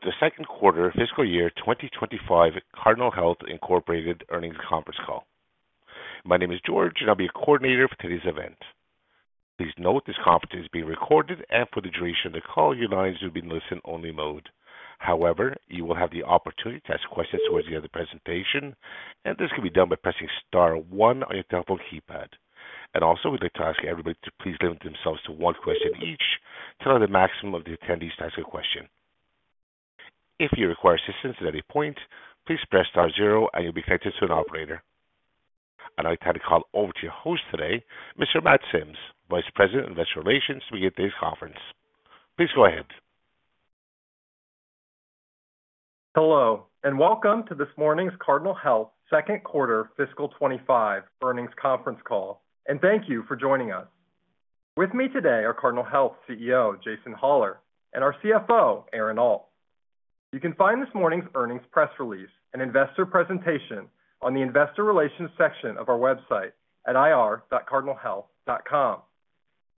Hello, and welcome to the Second Quarter of Fiscal Year 2025, Cardinal Health Incorporated earnings conference call. My name is George, and I'll be your coordinator for today's event. Please note this conference is being recorded, and for the duration of the call, your lines will be in listen-only mode. However, you will have the opportunity to ask questions towards the end of the presentation, and this can be done by pressing star one on your telephone keypad. Also, we'd like to ask everybody to please limit themselves to one question each to allow the maximum number of attendees to ask a question. If you require assistance at any point, please press star zero, and you'll be connected to an operator. I'd like to hand the call over to your host today, Mr. Matt Sims, Vice President of Investor Relations, to begin today's conference. Please go ahead. Hello, and welcome to this morning's Cardinal Health Second Quarter Fiscal 25 Earnings Conference Call, and thank you for joining us. With me today are Cardinal Health CEO, Jason Hollar, and our CFO, Aaron Alt. You can find this morning's earnings press release and investor presentation on the investor relations section of our website at ir.cardinalhealth.com.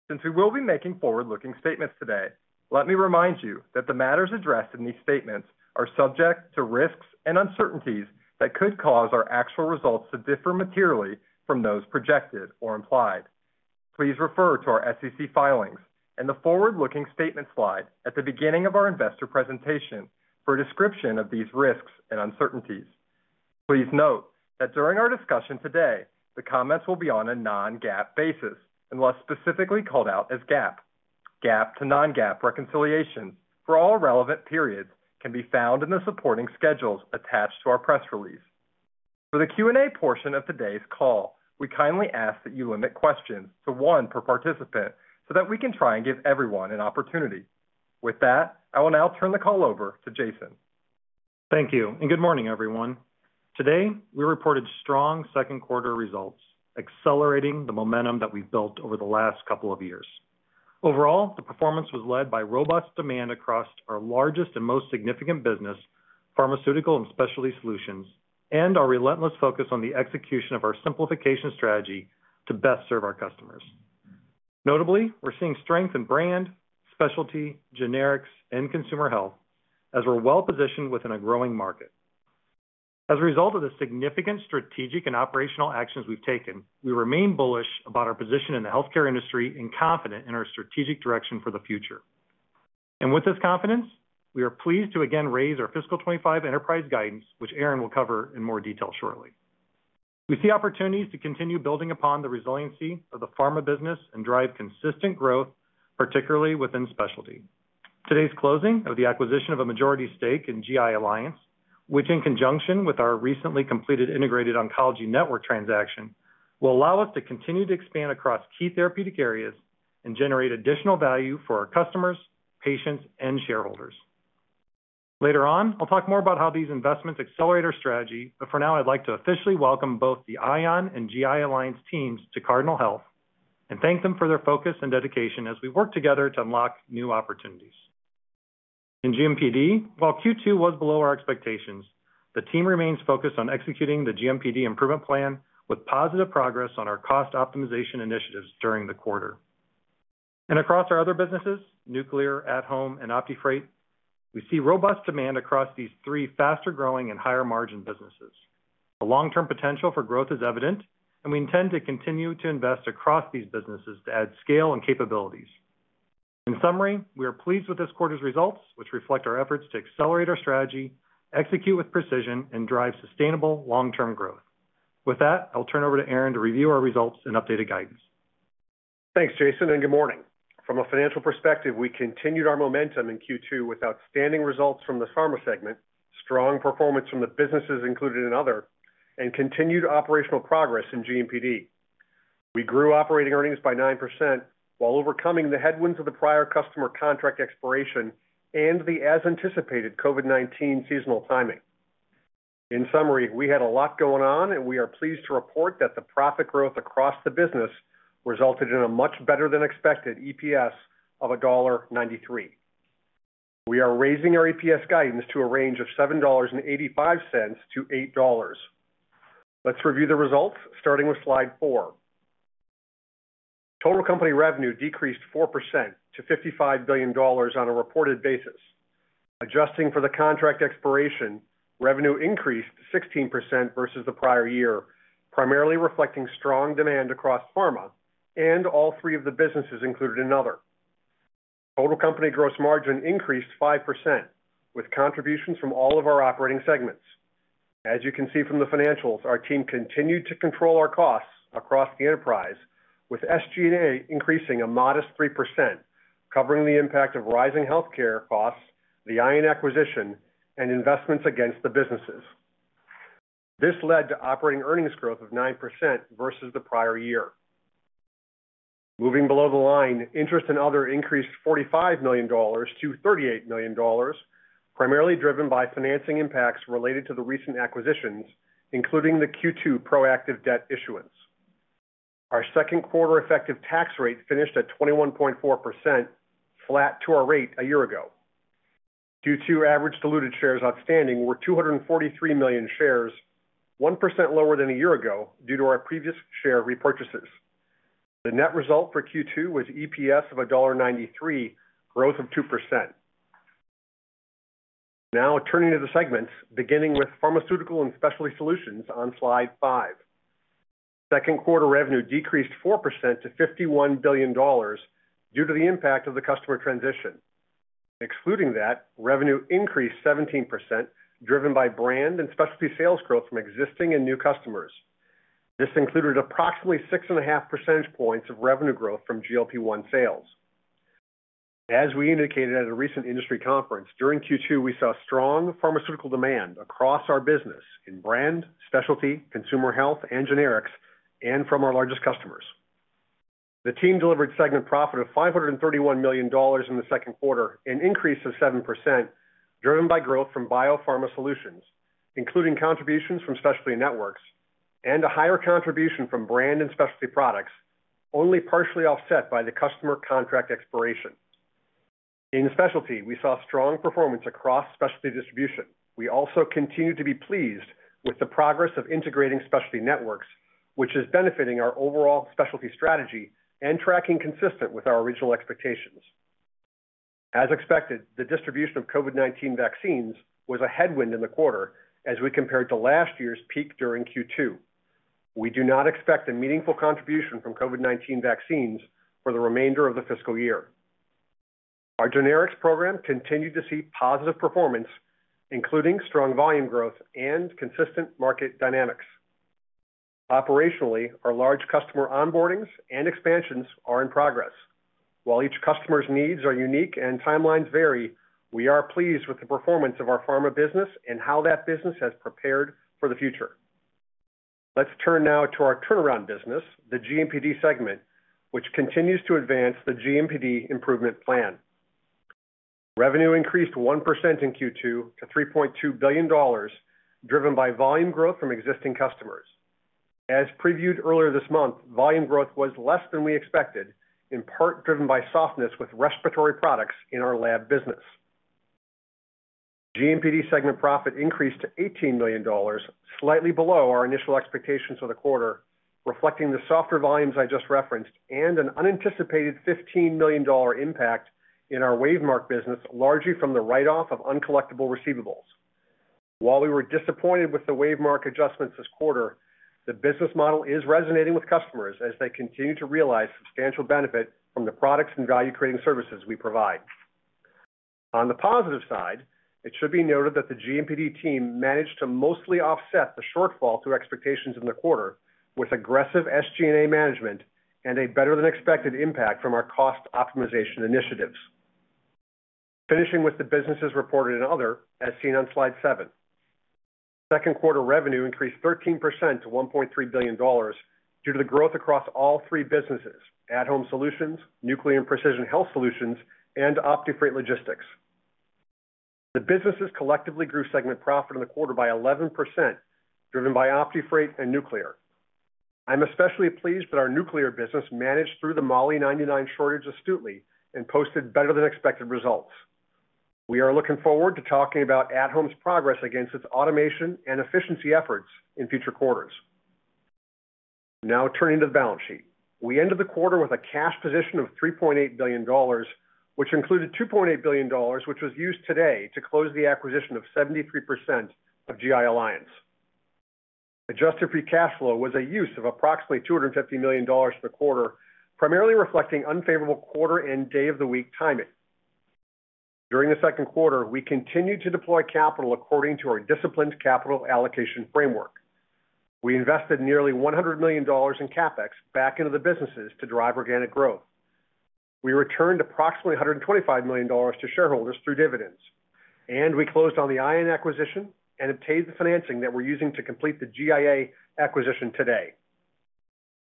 Since we will be making forward-looking statements today, let me remind you that the matters addressed in these statements are subject to risks and uncertainties that could cause our actual results to differ materially from those projected or implied. Please refer to our SEC filings and the Forward-Looking Statement slide at the beginning of our investor presentation for a description of these risks and uncertainties. Please note that during our discussion today, the comments will be on a non-GAAP basis unless specifically called out as GAAP. GAAP to non-GAAP reconciliations for all relevant periods can be found in the supporting schedules attached to our press release. For the Q&A portion of today's call, we kindly ask that you limit questions to one per participant so that we can try and give everyone an opportunity. With that, I will now turn the call over to Jason. Thank you, and good morning, everyone. Today, we reported strong Second Quarter results, accelerating the momentum that we've built over the last couple of years. Overall, the performance was led by robust demand across our largest and most significant business, Pharmaceutical and Specialty Solutions, and our relentless focus on the execution of our simplification strategy to best serve our customers. Notably, we're seeing strength in brand, Specialty, Generics, and Consumer Health as we're well positioned within a growing market. As a result of the significant strategic and operational actions we've taken, we remain bullish about our position in the healthcare industry and confident in our strategic direction for the future, and with this confidence, we are pleased to again raise our Fiscal 2025 enterprise guidance, which Aaron will cover in more detail shortly. We see opportunities to continue building upon the resiliency of the Pharma business and drive consistent growth, particularly within specialty. Today's closing of the acquisition of a majority stake in GI Alliance, which in conjunction with our recently completed Integrated Oncology Network transaction, will allow us to continue to expand across key therapeutic areas and generate additional value for our customers, patients, and shareholders. Later on, I'll talk more about how these investments accelerate our strategy, but for now, I'd like to officially welcome both the ION and GI Alliance teams to Cardinal Health and thank them for their focus and dedication as we work together to unlock new opportunities. In GMPD, while Q2 was below our expectations, the team remains focused on executing the GMPD improvement plan with positive progress on our cost optimization initiatives during the quarter. And across our other businesses, Nuclear, At-Home, and OptiFreight, we see robust demand across these three faster-growing and higher-margin businesses. The long-term potential for growth is evident, and we intend to continue to invest across these businesses to add scale and capabilities. In summary, we are pleased with this quarter's results, which reflect our efforts to accelerate our strategy, execute with precision, and drive sustainable long-term growth. With that, I'll turn it over to Aaron to review our results and updated guidance. Thanks, Jason, and good morning. From a financial perspective, we continued our momentum in Q2 with outstanding results from the Pharma segment, strong performance from the businesses included in Other, and continued operational progress in GMPD. We grew operating earnings by 9% while overcoming the headwinds of the prior customer contract expiration and the as-anticipated COVID-19 seasonal timing. In summary, we had a lot going on, and we are pleased to report that the profit growth across the business resulted in a much better-than-expected EPS of $1.93. We are raising our EPS guidance to a range of $7.85-$8. Let's review the results, starting with slide four. Total company revenue decreased 4% to $55 billion on a reported basis. Adjusting for the contract expiration, revenue increased 16% versus the prior year, primarily reflecting strong demand across pharma and all three of the businesses included in Other. Total company gross margin increased 5% with contributions from all of our operating segments. As you can see from the financials, our team continued to control our costs across the enterprise, with SG&A increasing a modest 3%, covering the impact of rising healthcare costs, the ION acquisition, and investments against the businesses. This led to operating earnings growth of 9% versus the prior year. Moving below the line, interest and other increased $45 million to $38 million, primarily driven by financing impacts related to the recent acquisitions, including the Q2 proactive debt issuance. Our second quartereffective tax rate finished at 21.4%, flat to our rate a year ago. Our average diluted shares outstanding were 243 million shares, 1% lower than a year ago due to our previous share repurchases. The net result for Q2 was EPS of $1.93, growth of 2%. Now, turning to the segments, beginning with Pharmaceutical and Specialty Solutions on slide five. Second quarter revenue decreased 4% to $51 billion due to the impact of the customer transition. Excluding that, revenue increased 17%, driven by Brand and Specialty sales growth from existing and new customers. This included approximately six and a half percentage points of revenue growth from GLP-1 sales. As we indicated at a recent industry conference, during Q2, we saw strong pharmaceutical demand across our business in Brand, Specialty, Consumer Health, and Generics, and from our largest customers. The team delivered segment profit of $531 million in the second quarter, an increase of 7%, driven by growth from Biopharma Solutions, including contributions from Specialty Networks, and a higher contribution from Brand and Specialty products, only partially offset by the customer contract expiration. In Specialty, we saw strong performance across Specialty Distribution. We also continue to be pleased with the progress of integrating Specialty Networks, which is benefiting our overall Specialty strategy and tracking consistent with our original expectations. As expected, the distribution of COVID-19 vaccines was a headwind in the quarter as we compared to last year's peak during Q2. We do not expect a meaningful contribution from COVID-19 vaccines for the remainder of the fiscal year. Our generics program continued to see positive performance, including strong volume growth and consistent market dynamics. Operationally, our large customer onboardings and expansions are in progress. While each customer's needs are unique and timelines vary, we are pleased with the performance of our Pharma business and how that business has prepared for the future. Let's turn now to our turnaround business, the GMPD segment, which continues to advance the GMPD Improvement Plan. Revenue increased 1% in Q2 to $3.2 billion, driven by volume growth from existing customers. As previewed earlier this month, volume growth was less than we expected, in part driven by softness with respiratory products in our lab business. GMPD segment profit increased to $18 million, slightly below our initial expectations for the quarter, reflecting the softer volumes I just referenced and an unanticipated $15 million impact in our WaveMark business, largely from the write-off of uncollectible receivables. While we were disappointed with the WaveMark adjustments this quarter, the business model is resonating with customers as they continue to realize substantial benefit from the products and value-creating services we provide. On the positive side, it should be noted that the GMPD team managed to mostly offset the shortfall to expectations in the quarter with aggressive SG&A management and a better-than-expected impact from our cost optimization initiatives. Finishing with the businesses reported in Other, as seen on slide seven, second quarter revenue increased 13% to $1.3 billion due to the growth across all three businesses: At-Home Solutions, Nuclear and Precision Health Solutions, and OptiFreight Logistics. The businesses collectively grew segment profit in the quarter by 11%, driven by OptiFreight and Nuclear. I'm especially pleased that our Nuclear business managed through the molybdenum-99 shortage astutely and posted better-than-expected results. We are looking forward to talking about At-Home's progress against its automation and efficiency efforts in future quarters. Now, turning to the balance sheet, we ended the quarter with a cash position of $3.8 billion, which included $2.8 billion, which was used today to close the acquisition of 73% of GI Alliance. Adjusted free cash flow was a use of approximately $250 million for the quarter, primarily reflecting unfavorable quarter and day-of-the-week timing. During the second quarter, we continued to deploy capital according to our disciplined capital allocation framework. We invested nearly $100 million in CapEx back into the businesses to drive organic growth. We returned approximately $125 million to shareholders through dividends, and we closed on the ION acquisition and obtained the financing that we're using to complete the GIA acquisition today.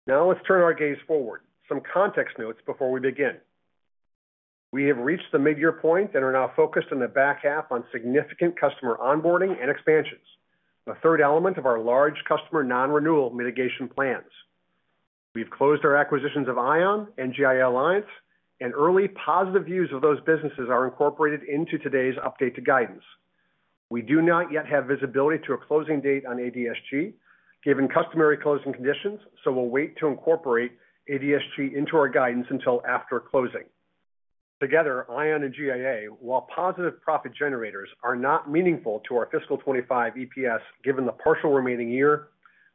Now, let's turn our gaze forward. Some context notes before we begin. We have reached the mid-year point and are now focused in the back half on significant customer onboarding and expansions, the third element of our large customer non-renewal mitigation plans. We've closed our acquisitions of ION and GI Alliance, and early positive views of those businesses are incorporated into today's updated guidance. We do not yet have visibility to a closing date on ADSG given customary closing conditions, so we'll wait to incorporate ADSG into our guidance until after closing. Together, ION and GIA, while positive profit generators, are not meaningful to our Fiscal 25 EPS given the partial remaining year,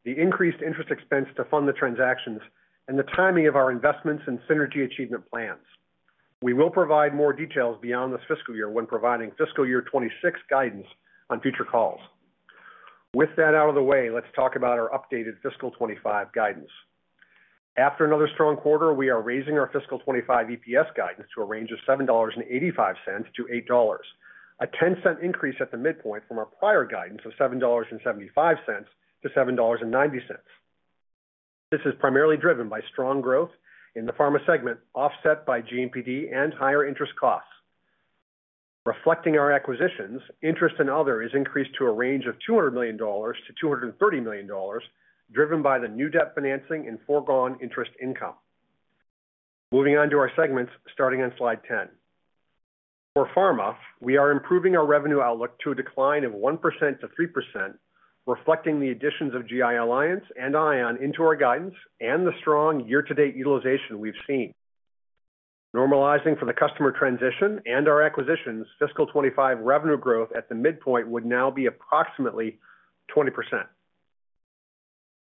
the increased interest expense to fund the transactions, and the timing of our investments and synergy achievement plans. We will provide more details beyond this fiscal year when providing Fiscal Year 26 guidance on future calls. With that out of the way, let's talk about our updated Fiscal 25 guidance. After another strong quarter, we are raising our Fiscal 25 EPS guidance to a range of $7.85-$8, a 10% increase at the midpoint from our prior guidance of $7.75-$7.90. This is primarily driven by strong growth in the Pharma segment, offset by GMPD and higher interest costs. Reflecting our acquisitions, Interest and Other is increased to a range of $200 million-$230 million, driven by the new debt financing and foregone interest income. Moving on to our segments, starting on slide 10. For Pharma, we are improving our revenue outlook to a decline of 1%-3%, reflecting the additions of GI Alliance and ION into our guidance and the strong year-to-date utilization we've seen. Normalizing for the customer transition and our acquisitions, Fiscal 2025 revenue growth at the midpoint would now be approximately 20%.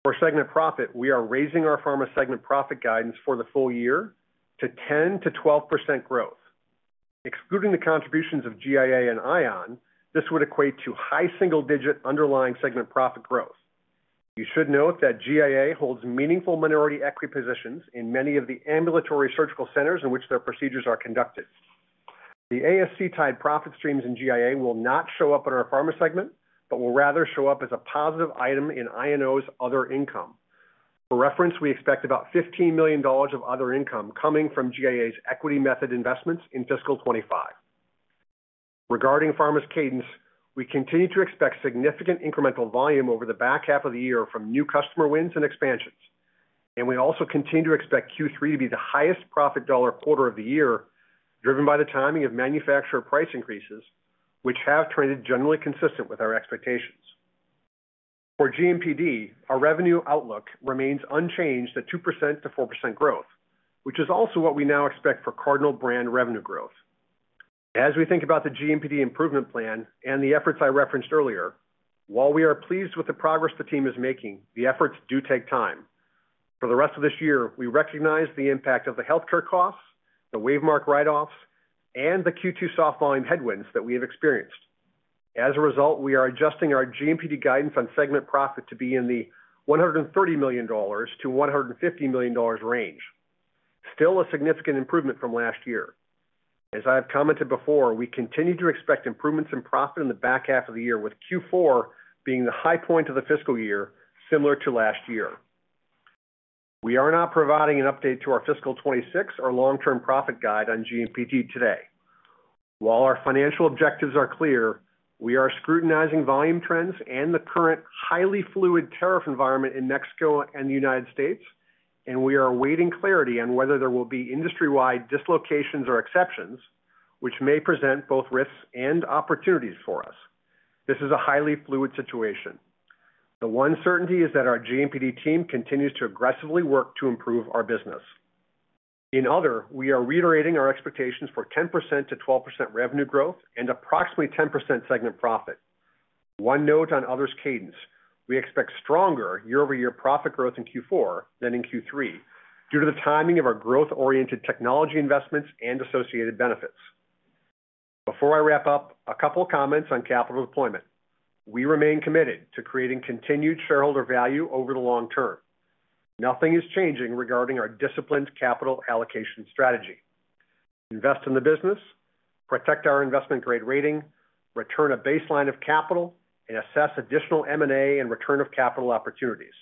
For Segment Profit, we are raising our Pharma Segment Profit guidance for the full year to 10%-12% growth. Excluding the contributions of GIA and ION, this would equate to high single-digit underlying segment profit growth. You should note that GIA holds meaningful minority equity positions in many of the Ambulatory Surgical Centers in which their procedures are conducted. The ASC-tied profit streams in GIA will not show up in our Pharma segment, but will rather show up as a positive item in ION's Other Income. For reference, we expect about $15 million of Other Income coming from GIA's equity method investments in Fiscal 2025. Regarding Pharma's cadence, we continue to expect significant incremental volume over the back half of the year from new customer wins and expansions. And we also continue to expect Q3 to be the highest profit dollar quarter of the year, driven by the timing of manufacturer price increases, which have trended generally consistent with our expectations. For GMPD, our revenue outlook remains unchanged at 2%-4% growth, which is also what we now expect for Cardinal Brand revenue growth. As we think about the GMPD Improvement Plan and the efforts I referenced earlier, while we are pleased with the progress the team is making, the efforts do take time. For the rest of this year, we recognize the impact of the healthcare costs, the WaveMark write-offs, and the Q2 soft volume headwinds that we have experienced. As a result, we are adjusting our GMPD guidance on Segment Profit to be in the $130 million-$150 million range, still a significant improvement from last year. As I have commented before, we continue to expect improvements in profit in the back half of the year, with Q4 being the high point of the Fiscal Year, similar to last year. We are not providing an update to our Fiscal 2026 or long-term profit guide on GMPD today. While our financial objectives are clear, we are scrutinizing volume trends and the current highly fluid tariff environment in Mexico and the United States, and we are awaiting clarity on whether there will be industry-wide dislocations or exceptions, which may present both risks and opportunities for us. This is a highly fluid situation. The one certainty is that our GMPD team continues to aggressively work to improve our business. In Other, we are reiterating our expectations for 10%-12% revenue growth and approximately 10% Segment Profit. One note on Others' cadence: we expect stronger year-over-year profit growth in Q4 than in Q3 due to the timing of our growth-oriented technology investments and associated benefits. Before I wrap up, a couple of comments on capital deployment. We remain committed to creating continued shareholder value over the long term. Nothing is changing regarding our disciplined capital allocation strategy. Invest in the business, protect our investment grade rating, return a baseline of capital, and assess additional M&A and return of capital opportunities.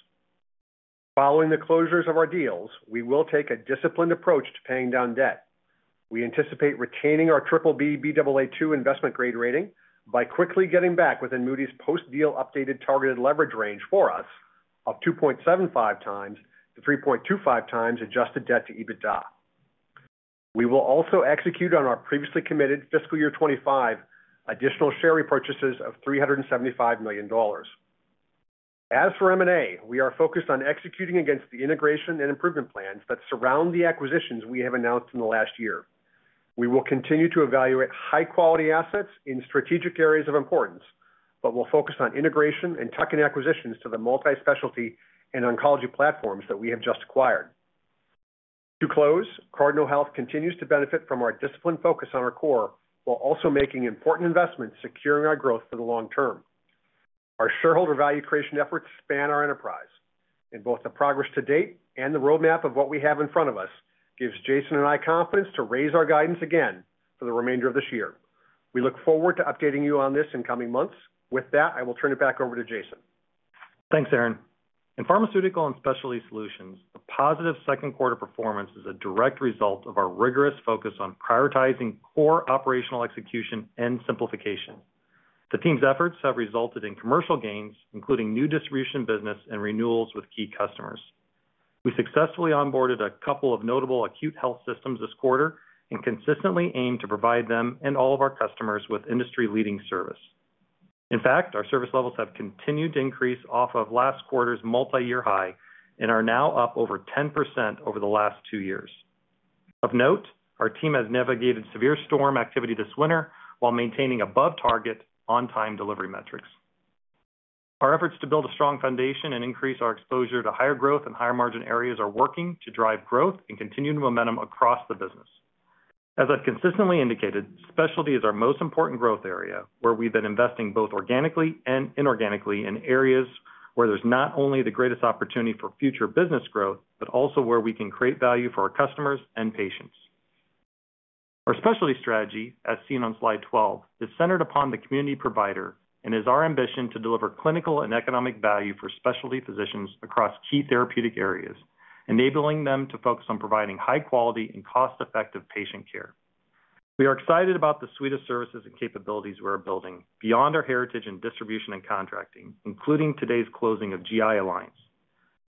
Following the closures of our deals, we will take a disciplined approach to paying down debt. We anticipate retaining our Baa2 investment grade rating by quickly getting back within Moody's post-deal updated targeted leverage range for us of 2.75 times to 3.25 times adjusted debt to EBITDA. We will also execute on our previously committed Fiscal Year 2025 additional share repurchases of $375 million. As for M&A, we are focused on executing against the integration and improvement plans that surround the acquisitions we have announced in the last year. We will continue to evaluate high-quality assets in strategic areas of importance, but we'll focus on integration and tuck-in acquisitions to the multi-specialty and Oncology platforms that we have just acquired. To close, Cardinal Health continues to benefit from our disciplined focus on our core while also making important investments securing our growth for the long term. Our shareholder value creation efforts span our enterprise, and both the progress to date and the roadmap of what we have in front of us gives Jason and I confidence to raise our guidance again for the remainder of this year. We look forward to updating you on this in coming months. With that, I will turn it back over to Jason. Thanks, Aaron. In Pharmaceutical and Specialty Solutions, the positive second quarter performance is a direct result of our rigorous focus on prioritizing core operational execution and simplification. The team's efforts have resulted in commercial gains, including new distribution business and renewals with key customers. We successfully onboarded a couple of notable acute health systems this quarter and consistently aim to provide them and all of our customers with industry-leading service. In fact, our service levels have continued to increase off of last quarter's multi-year high and are now up over 10% over the last two years. Of note, our team has navigated severe storm activity this winter while maintaining above-target on-time delivery metrics. Our efforts to build a strong foundation and increase our exposure to higher growth and higher margin areas are working to drive growth and continued momentum across the business. As I've consistently indicated, Specialty is our most important growth area, where we've been investing both organically and inorganically in areas where there's not only the greatest opportunity for future business growth, but also where we can create value for our customers and patients. Our Specialty Strategy, as seen on slide 12, is centered upon the community provider and is our ambition to deliver clinical and economic value for Specialty physicians across key therapeutic areas, enabling them to focus on providing high-quality and cost-effective patient care. We are excited about the suite of services and capabilities we are building beyond our heritage in distribution and contracting, including today's closing of GI Alliance.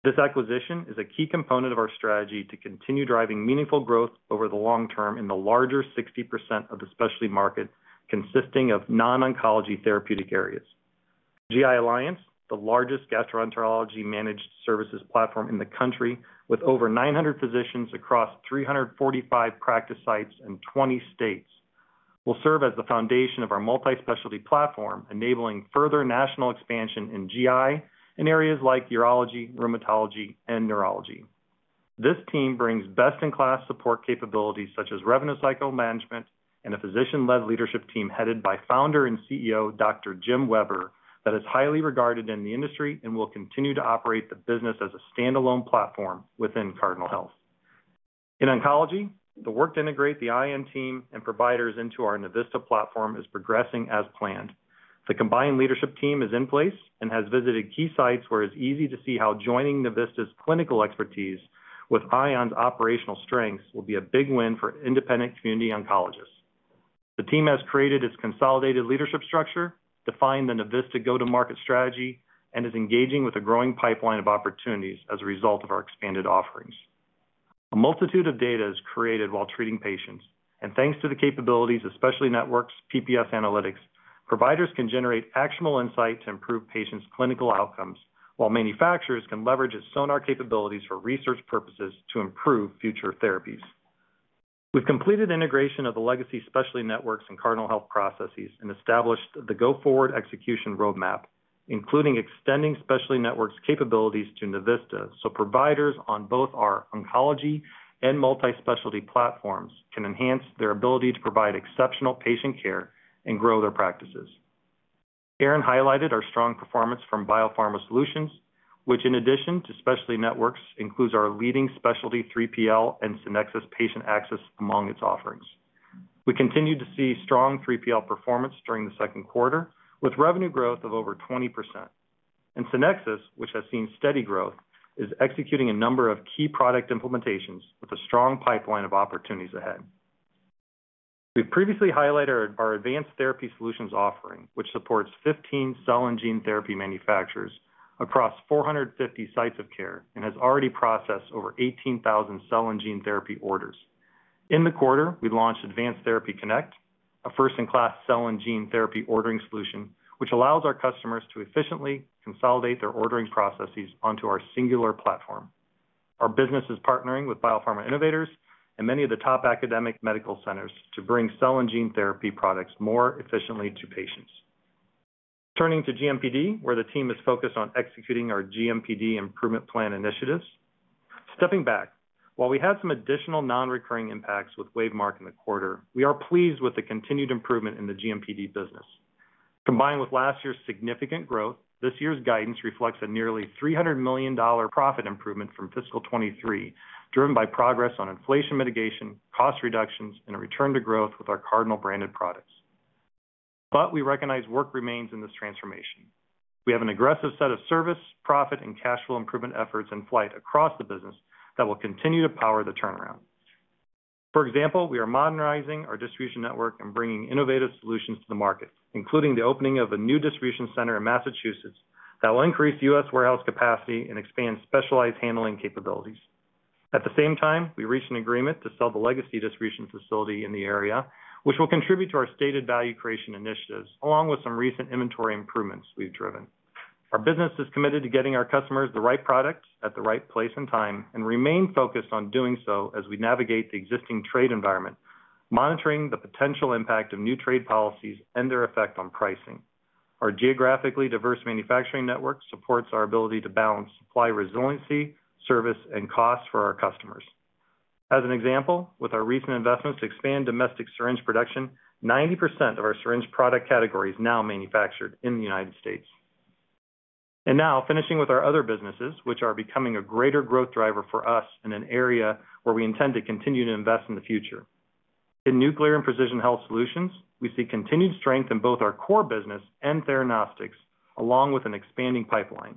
This acquisition is a key component of our strategy to continue driving meaningful growth over the long term in the larger 60% of the Specialty market consisting of non-nncology therapeutic areas. GI Alliance, the largest gastroenterology managed services platform in the country with over 900 physicians across 345 practice sites and 20 states, will serve as the foundation of our multi-specialty platform, enabling further national expansion in GI and areas like Urology, Rheumatology, and Neurology. This team brings best-in-class support capabilities such as revenue cycle management and a physician-led leadership team headed by founder and CEO Dr. Jim Weber that is highly regarded in the industry and will continue to operate the business as a standalone platform within Cardinal Health. In Oncology, the work to integrate the ION team and providers into our Navista platform is progressing as planned. The combined leadership team is in place and has visited key sites where it is easy to see how joining Navista's clinical expertise with ION's operational strengths will be a big win for independent community oncologists. The team has created its consolidated leadership structure, defined the Navista go-to-market strategy, and is engaging with a growing pipeline of opportunities as a result of our expanded offerings. A multitude of data is created while treating patients, and thanks to the capabilities of Specialty Networks PPS Analytics, providers can generate actionable insight to improve patients' clinical outcomes, while manufacturers can leverage its Sonar capabilities for research purposes to improve future therapies. We've completed integration of the legacy Specialty Networks in Cardinal Health processes and established the go-forward execution roadmap, including extending Specialty Networks capabilities to Navista so providers on both our oncology and multi-specialty platforms can enhance their ability to provide exceptional patient care and grow their practices. Aaron highlighted our strong performance from BioPharma Solutions, which, in addition to Specialty Networks, includes our leading Specialty 3PL and Sonexus patient access among its offerings. We continue to see strong 3PL performance during the second quarter, with revenue growth of over 20%. Sonexus, which has seen steady growth, is executing a number of key product implementations with a strong pipeline of opportunities ahead. We've previously highlighted our Advanced Therapy Solutions offering, which supports 15 cell and gene therapy manufacturers across 450 sites of care and has already processed over 18,000 cell and gene therapy orders. In the quarter, we launched Advanced Therapy Connect, a first-in-class cell and gene therapy ordering solution, which allows our customers to efficiently consolidate their ordering processes onto our singular platform. Our business is partnering with BioPharma Innovators and many of the top academic medical centers to bring cell and gene therapy products more efficiently to patients. Turning to GMPD, where the team is focused on executing our GMPD Improvement Plan initiatives. Stepping back, while we had some additional non-recurring impacts with WaveMark in the quarter, we are pleased with the continued improvement in the GMPD business. Combined with last year's significant growth, this year's guidance reflects a nearly $300 million profit improvement from Fiscal 2023, driven by progress on inflation mitigation, cost reductions, and a return to growth with our Cardinal branded products, but we recognize work remains in this transformation. We have an aggressive set of service, profit, and cash flow improvement efforts in flight across the business that will continue to power the turnaround. For example, we are modernizing our distribution network and bringing innovative solutions to the market, including the opening of a new Distribution Center in Massachusetts that will increase U.S. warehouse capacity and expand specialized handling capabilities. At the same time, we reached an agreement to sell the legacy distribution facility in the area, which will contribute to our stated value creation initiatives along with some recent inventory improvements we've driven. Our business is committed to getting our customers the right products at the right place and time and remain focused on doing so as we navigate the existing trade environment, monitoring the potential impact of new trade policies and their effect on pricing. Our geographically diverse manufacturing network supports our ability to balance supply resiliency, service, and cost for our customers. As an example, with our recent investments to expand domestic syringe production, 90% of our syringe product category is now manufactured in the United States. And now, finishing with our Other businesses, which are becoming a greater growth driver for us in an area where we intend to continue to invest in the future. In Nuclear and Precision Health Solutions, we see continued strength in both our core business and theranostics, along with an expanding pipeline.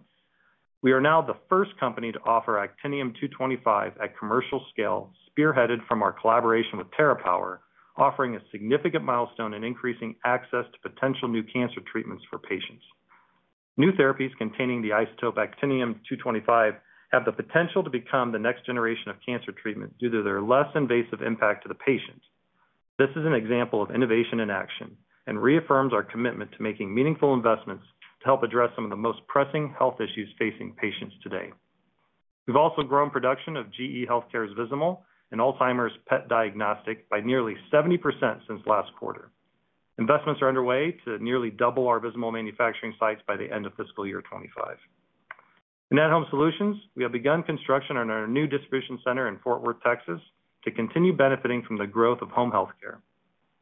We are now the first company to offer actinium-225 at commercial scale, spearheaded from our collaboration with TerraPower, offering a significant milestone in increasing access to potential new cancer treatments for patients. New therapies containing the isotope actinium-225 have the potential to become the next generation of cancer treatment due to their less invasive impact to the patient. This is an example of innovation in action and reaffirms our commitment to making meaningful investments to help address some of the most pressing health issues facing patients today. We've also grown production of GE HealthCare's Vizamyl and Alzheimer's PET diagnostic by nearly 70% since last quarter. Investments are underway to nearly double our Vizamyl manufacturing sites by the end of fiscal year 2025. In At Home Solutions, we have begun construction on our new Distribution Center in Fort Worth, Texas, to continue benefiting from the growth of home healthcare.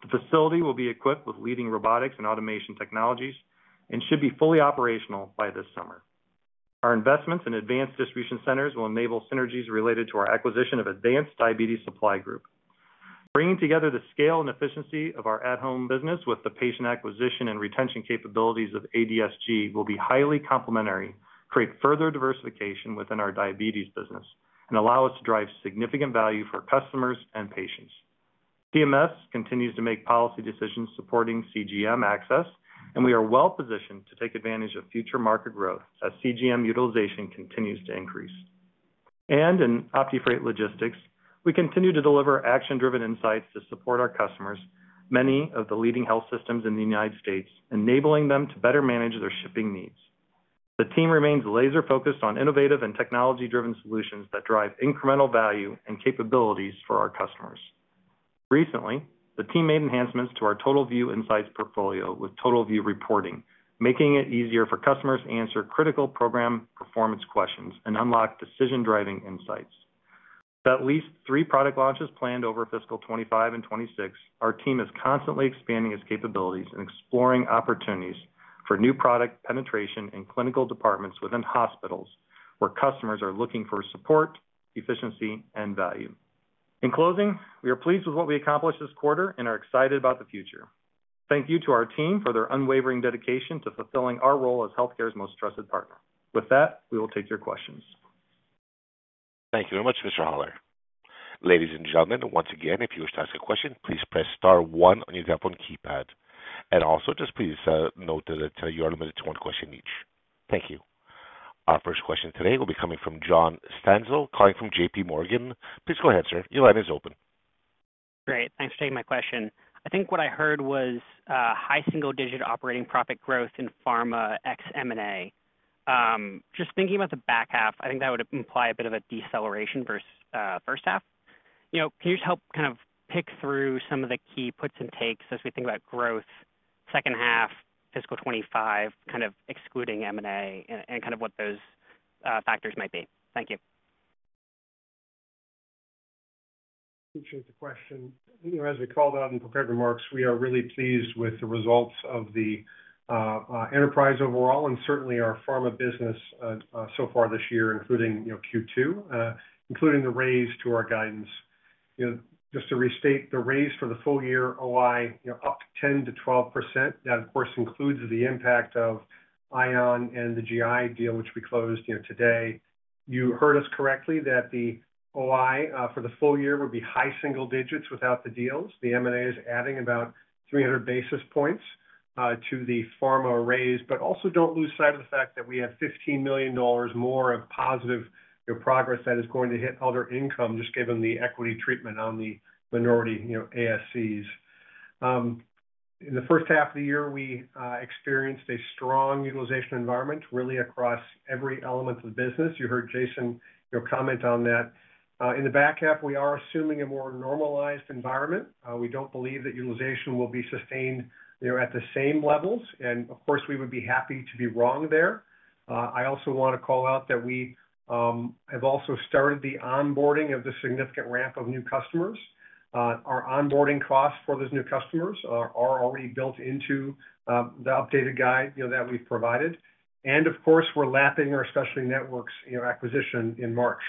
The facility will be equipped with leading robotics and automation technologies and should be fully operational by this summer. Our investments in advanced distribution centers will enable synergies related to our acquisition of Advanced Diabetes Supply Group. Bringing together the scale and efficiency of our At-Home business with the patient acquisition and retention capabilities of ADSG will be highly complementary, create further diversification within our diabetes business, and allow us to drive significant value for customers and patients. CMS continues to make policy decisions supporting CGM access, and we are well-positioned to take advantage of future market growth as CGM utilization continues to increase. And in OptiFreight Logistics, we continue to deliver action-driven insights to support our customers, many of the leading health systems in the United States, enabling them to better manage their shipping needs. The team remains laser-focused on innovative and technology-driven solutions that drive incremental value and capabilities for our customers. Recently, the team made enhancements to our TotalView Insights portfolio with TotalView Reporting, making it easier for customers to answer critical program performance questions and unlock decision-driving insights. With at least three product launches planned over Fiscal 2025 and 2026, our team is constantly expanding its capabilities and exploring opportunities for new product penetration in clinical departments within hospitals where customers are looking for support, efficiency, and value. In closing, we are pleased with what we accomplished this quarter and are excited about the future. Thank you to our team for their unwavering dedication to fulfilling our role as Healthcare's Most Trusted Partner. With that, we will take your questions. Thank you very much, Mr. Hollar. Ladies and gentlemen, once again, if you wish to ask a question, please press star one on your telephone keypad. And also, just please note that you are limited to one question each. Thank you. Our first question today will be coming from John Stansel calling from J.P. Morgan. Please go ahead, sir. Your line is open. Great. Thanks for taking my question. I think what I heard was high single-digit operating profit growth in Pharma ex-M&A. Just thinking about the back half, I think that would imply a bit of a deceleration versus first half. Can you just help kind of pick through some of the key puts and takes as we think about growth, second half, Fiscal 2025, kind of excluding M&A, and kind of what those factors might be? Thank you. Appreciate the question. As we called out in the prepared remarks, we are really pleased with the results of the enterprise overall and certainly our pharma business so far this year, including Q2, including the raise to our guidance. Just to restate, the raise for the full-year OI up 10%-12%. That, of course, includes the impact of ION and the GI deal, which we closed today. You heard us correctly that the OI for the full year would be high single digits without the deals. The M&A is adding about 300 basis points to the Pharma raise, but also don't lose sight of the fact that we have $15 million more of positive progress that is going to hit Other income, just given the equity treatment on the minority ASCs. In the first half of the year, we experienced a strong utilization environment really across every element of the business. You heard Jason comment on that. In the back half, we are assuming a more normalized environment. We don't believe that utilization will be sustained at the same levels. And of course, we would be happy to be wrong there. I also want to call out that we have also started the onboarding of the significant ramp of new customers. Our onboarding costs for those new customers are already built into the updated guide that we've provided. And of course, we're lapping our Specialty Networks acquisition in March.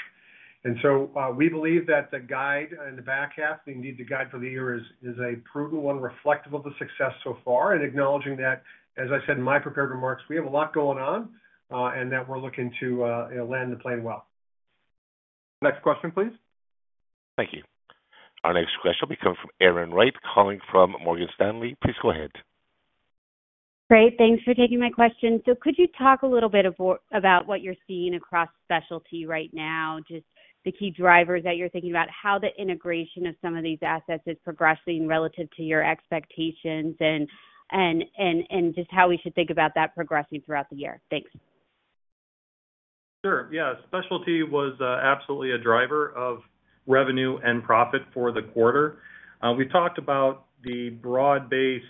And so we believe that the guide in the back half, the need to guide for the year, is a prudent one reflective of the success so far. And acknowledging that, as I said in my prepared remarks, we have a lot going on and that we're looking to land the plan well. Next question, please. Thank you. Our next question will be coming from Erin Wright calling from Morgan Stanley. Please go ahead. Great. Thanks for taking my question. So could you talk a little bit about what you're seeing across specialty right now, just the key drivers that you're thinking about, how the integration of some of these assets is progressing relative to your expectations and just how we should think about that progressing throughout the year? Thanks. Sure. Yeah. Specialty was absolutely a driver of revenue and profit for the quarter. We've talked about the broad-based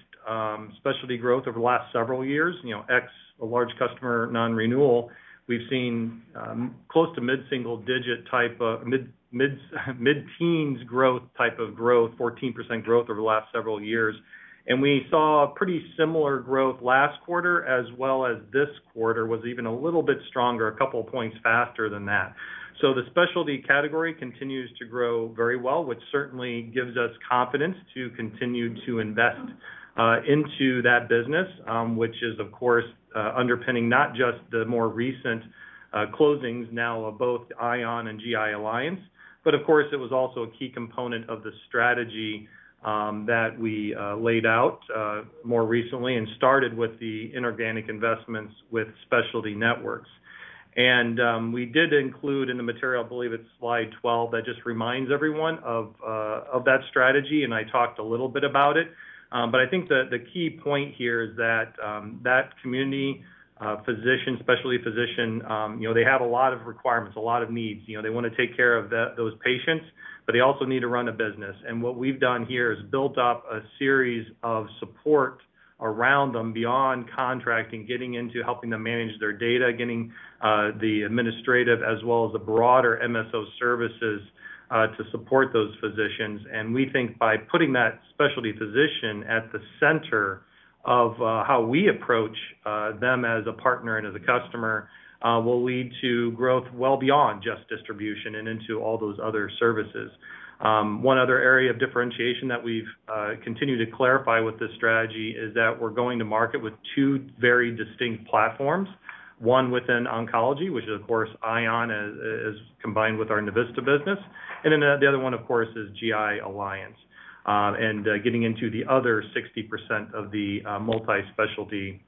Specialty growth over the last several years. Ex, a large customer, non-renewal. We've seen close to mid-single digit type of mid-teens growth type of growth, 14% growth over the last several years. And we saw pretty similar growth last quarter as well as this quarter was even a little bit stronger, a couple of points faster than that. The specialty category continues to grow very well, which certainly gives us confidence to continue to invest into that business, which is, of course, underpinning not just the more recent closings now of both ION and GI Alliance, but of course, it was also a key component of the strategy that we laid out more recently and started with the inorganic investments with Specialty Networks. We did include in the material, I believe it's slide 12, that just reminds everyone of that strategy. I talked a little bit about it. But I think the key point here is that community physician, specialty physician, they have a lot of requirements, a lot of needs. They want to take care of those patients, but they also need to run a business. What we've done here is built up a series of support around them beyond contracting, getting into helping them manage their data, getting the administrative as well as the broader MSO services to support those physicians. We think by putting that specialty physician at the center of how we approach them as a partner and as a customer will lead to growth well beyond just distribution and into all those other services. One other area of differentiation that we've continued to clarify with this strategy is that we're going to market with two very distinct platforms, one within oncology, which is, of course, ION, as combined with our Navista business. Then the other one, of course, is GI Alliance and getting into the other 60% of the multi-specialty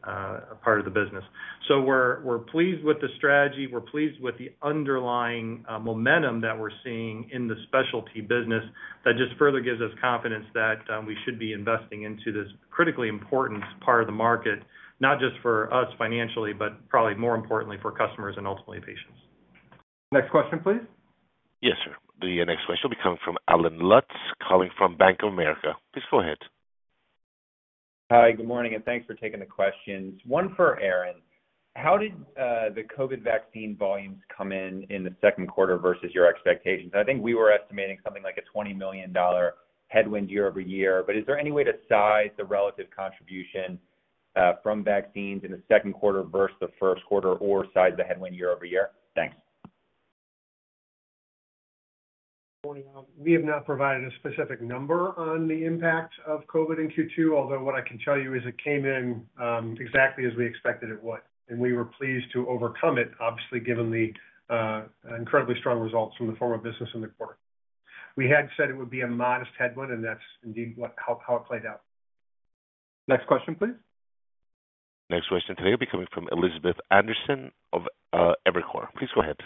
part of the business. We're pleased with the strategy. We're pleased with the underlying momentum that we're seeing in the Specialty business that just further gives us confidence that we should be investing into this critically important part of the market, not just for us financially, but probably more importantly for customers and ultimately patients. Next question, please. Yes, sir. The next question will be coming from Allen Lutz calling from Bank of America. Please go ahead. Hi. Good morning. And thanks for taking the questions. One for Aaron. How did the COVID vaccine volumes come in in the second quarter versus your expectations? I think we were estimating something like a $20 million headwind year over year. But is there any way to size the relative contribution from vaccines in the second quarter versus the first quarter or size the headwind year over year? Thanks. We have not provided a specific number on the impact of COVID in Q2, although what I can tell you is it came in exactly as we expected it would, and we were pleased to overcome it, obviously, given the incredibly strong results from the Pharma business in the quarter. We had said it would be a modest headwind, and that's indeed how it played out. Next question, please. Next question today will be coming from Elizabeth Anderson of Evercore. Please go ahead.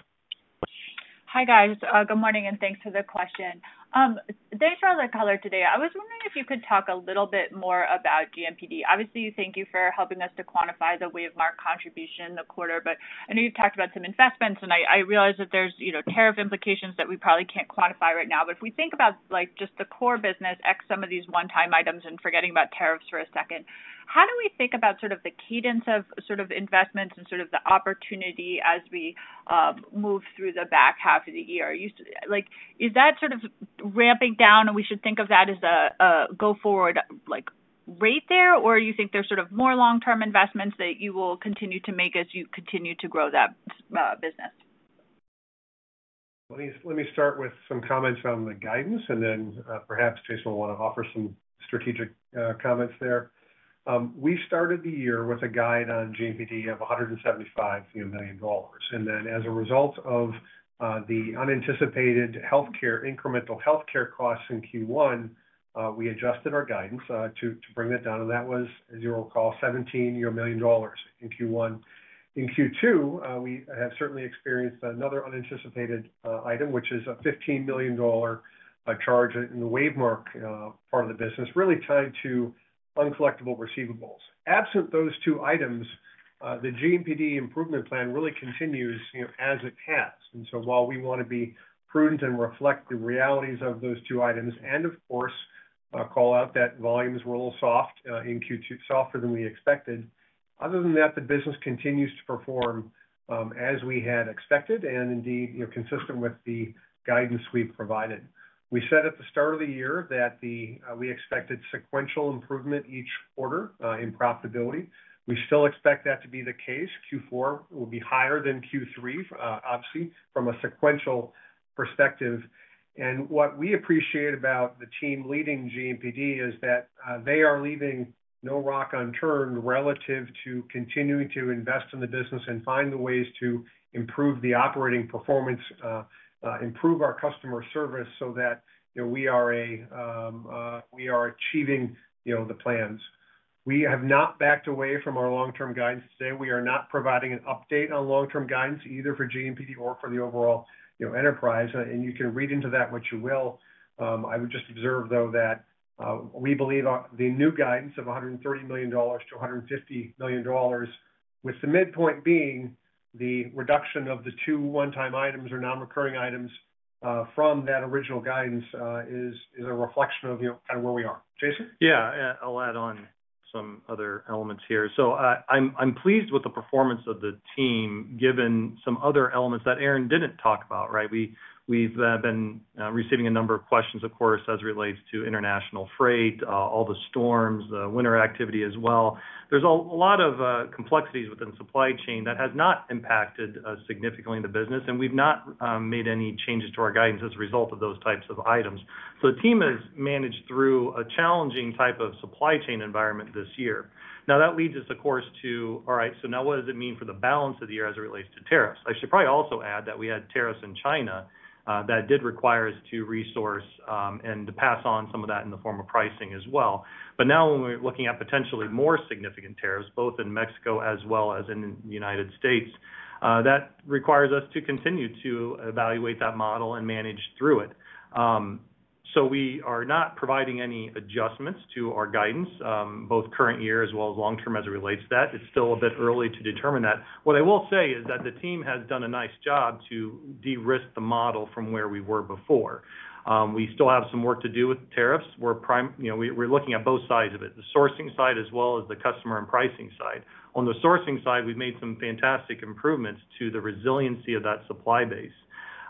Hi, guys. Good morning and thanks for the question. Thanks for all the color today. I was wondering if you could talk a little bit more about GMPD. Obviously, thank you for helping us to quantify the WaveMark's contribution in the quarter. But I know you've talked about some investments, and I realize that there's tariff implications that we probably can't quantify right now. But if we think about just the core business, ex some of these one-time items and forgetting about tariffs for a second, how do we think about sort of the cadence of sort of investments and sort of the opportunity as we move through the back half of the year? Is that sort of ramping down, and we should think of that as a go-forward rate there, or do you think there's sort of more long-term investments that you will continue to make as you continue to grow that business? Let me start with some comments on the guidance, and then perhaps Jason will want to offer some strategic comments there. We started the year with a guide on GMPD of $175 million. And then as a result of the unanticipated incremental healthcare costs in Q1, we adjusted our guidance to bring that down. That was, as you recall, $17 million in Q1. In Q2, we have certainly experienced another unanticipated item, which is a $15 million charge in the WaveMark part of the business, really tied to uncollectible receivables. Absent those two items, the GMPD Improvement Plan really continues as it has. So while we want to be prudent and reflect the realities of those two items and, of course, call out that volumes were a little softer than we expected, other than that, the business continues to perform as we had expected and indeed consistent with the guidance we provided. We said at the start of the year that we expected sequential improvement each quarter in profitability. We still expect that to be the case. Q4 will be higher than Q3, obviously, from a sequential perspective. What we appreciate about the team leading GMPD is that they are leaving no rock unturned relative to continuing to invest in the business and find the ways to improve the operating performance, improve our customer service so that we are achieving the plans. We have not backed away from our long-term guidance today. We are not providing an update on long-term guidance either for GMPD or for the overall enterprise. You can read into that what you will. I would just observe, though, that we believe the new guidance of $130 million-$150 million, with the midpoint being the reduction of the two one-time items or non-recurring items from that original guidance, is a reflection of kind of where we are. Jason? Yeah. I'll add on some other elements here. So I'm pleased with the performance of the team given some other elements that Aaron didn't talk about, right? We've been receiving a number of questions, of course, as it relates to international freight, all the storms, the winter activity as well. There's a lot of complexities within supply chain that has not impacted significantly the business. And we've not made any changes to our guidance as a result of those types of items. So the team has managed through a challenging type of supply chain environment this year. Now, that leads us, of course, to, all right, so now what does it mean for the balance of the year as it relates to tariffs? I should probably also add that we had tariffs in China that did require us to resource and to pass on some of that in the form of pricing as well. But now when we're looking at potentially more significant tariffs, both in Mexico as well as in the United States, that requires us to continue to evaluate that model and manage through it. So we are not providing any adjustments to our guidance, both current year as well as long-term as it relates to that. It's still a bit early to determine that. What I will say is that the team has done a nice job to de-risk the model from where we were before. We still have some work to do with tariffs. We're looking at both sides of it, the sourcing side as well as the customer and pricing side. On the sourcing side, we've made some fantastic improvements to the resiliency of that supply base.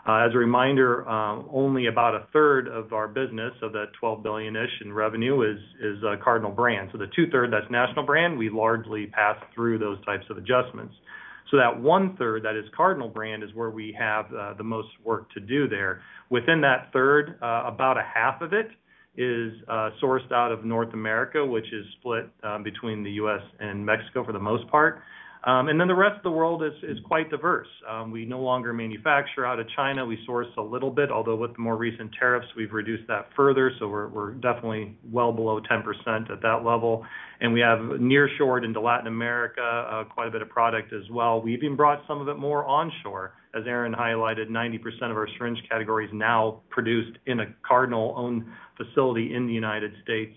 As a reminder, only about a third of our business of that $12 billion-ish in revenue is Cardinal Brand. The two-thirds, that's national brand, we largely pass through those types of adjustments. That one-third that is Cardinal Brand is where we have the most work to do there. Within that third, about a half of it is sourced out of North America, which is split between the U.S. and Mexico for the most part. And then the rest of the world is quite diverse. We no longer manufacture out of China. We source a little bit, although with the more recent tariffs, we've reduced that further. So we're definitely well below 10% at that level. And we have near-shored into Latin America quite a bit of product as well. We've even brought some of it more onshore. As Aaron highlighted, 90% of our syringe category is now produced in a Cardinal-Owned facility in the United States.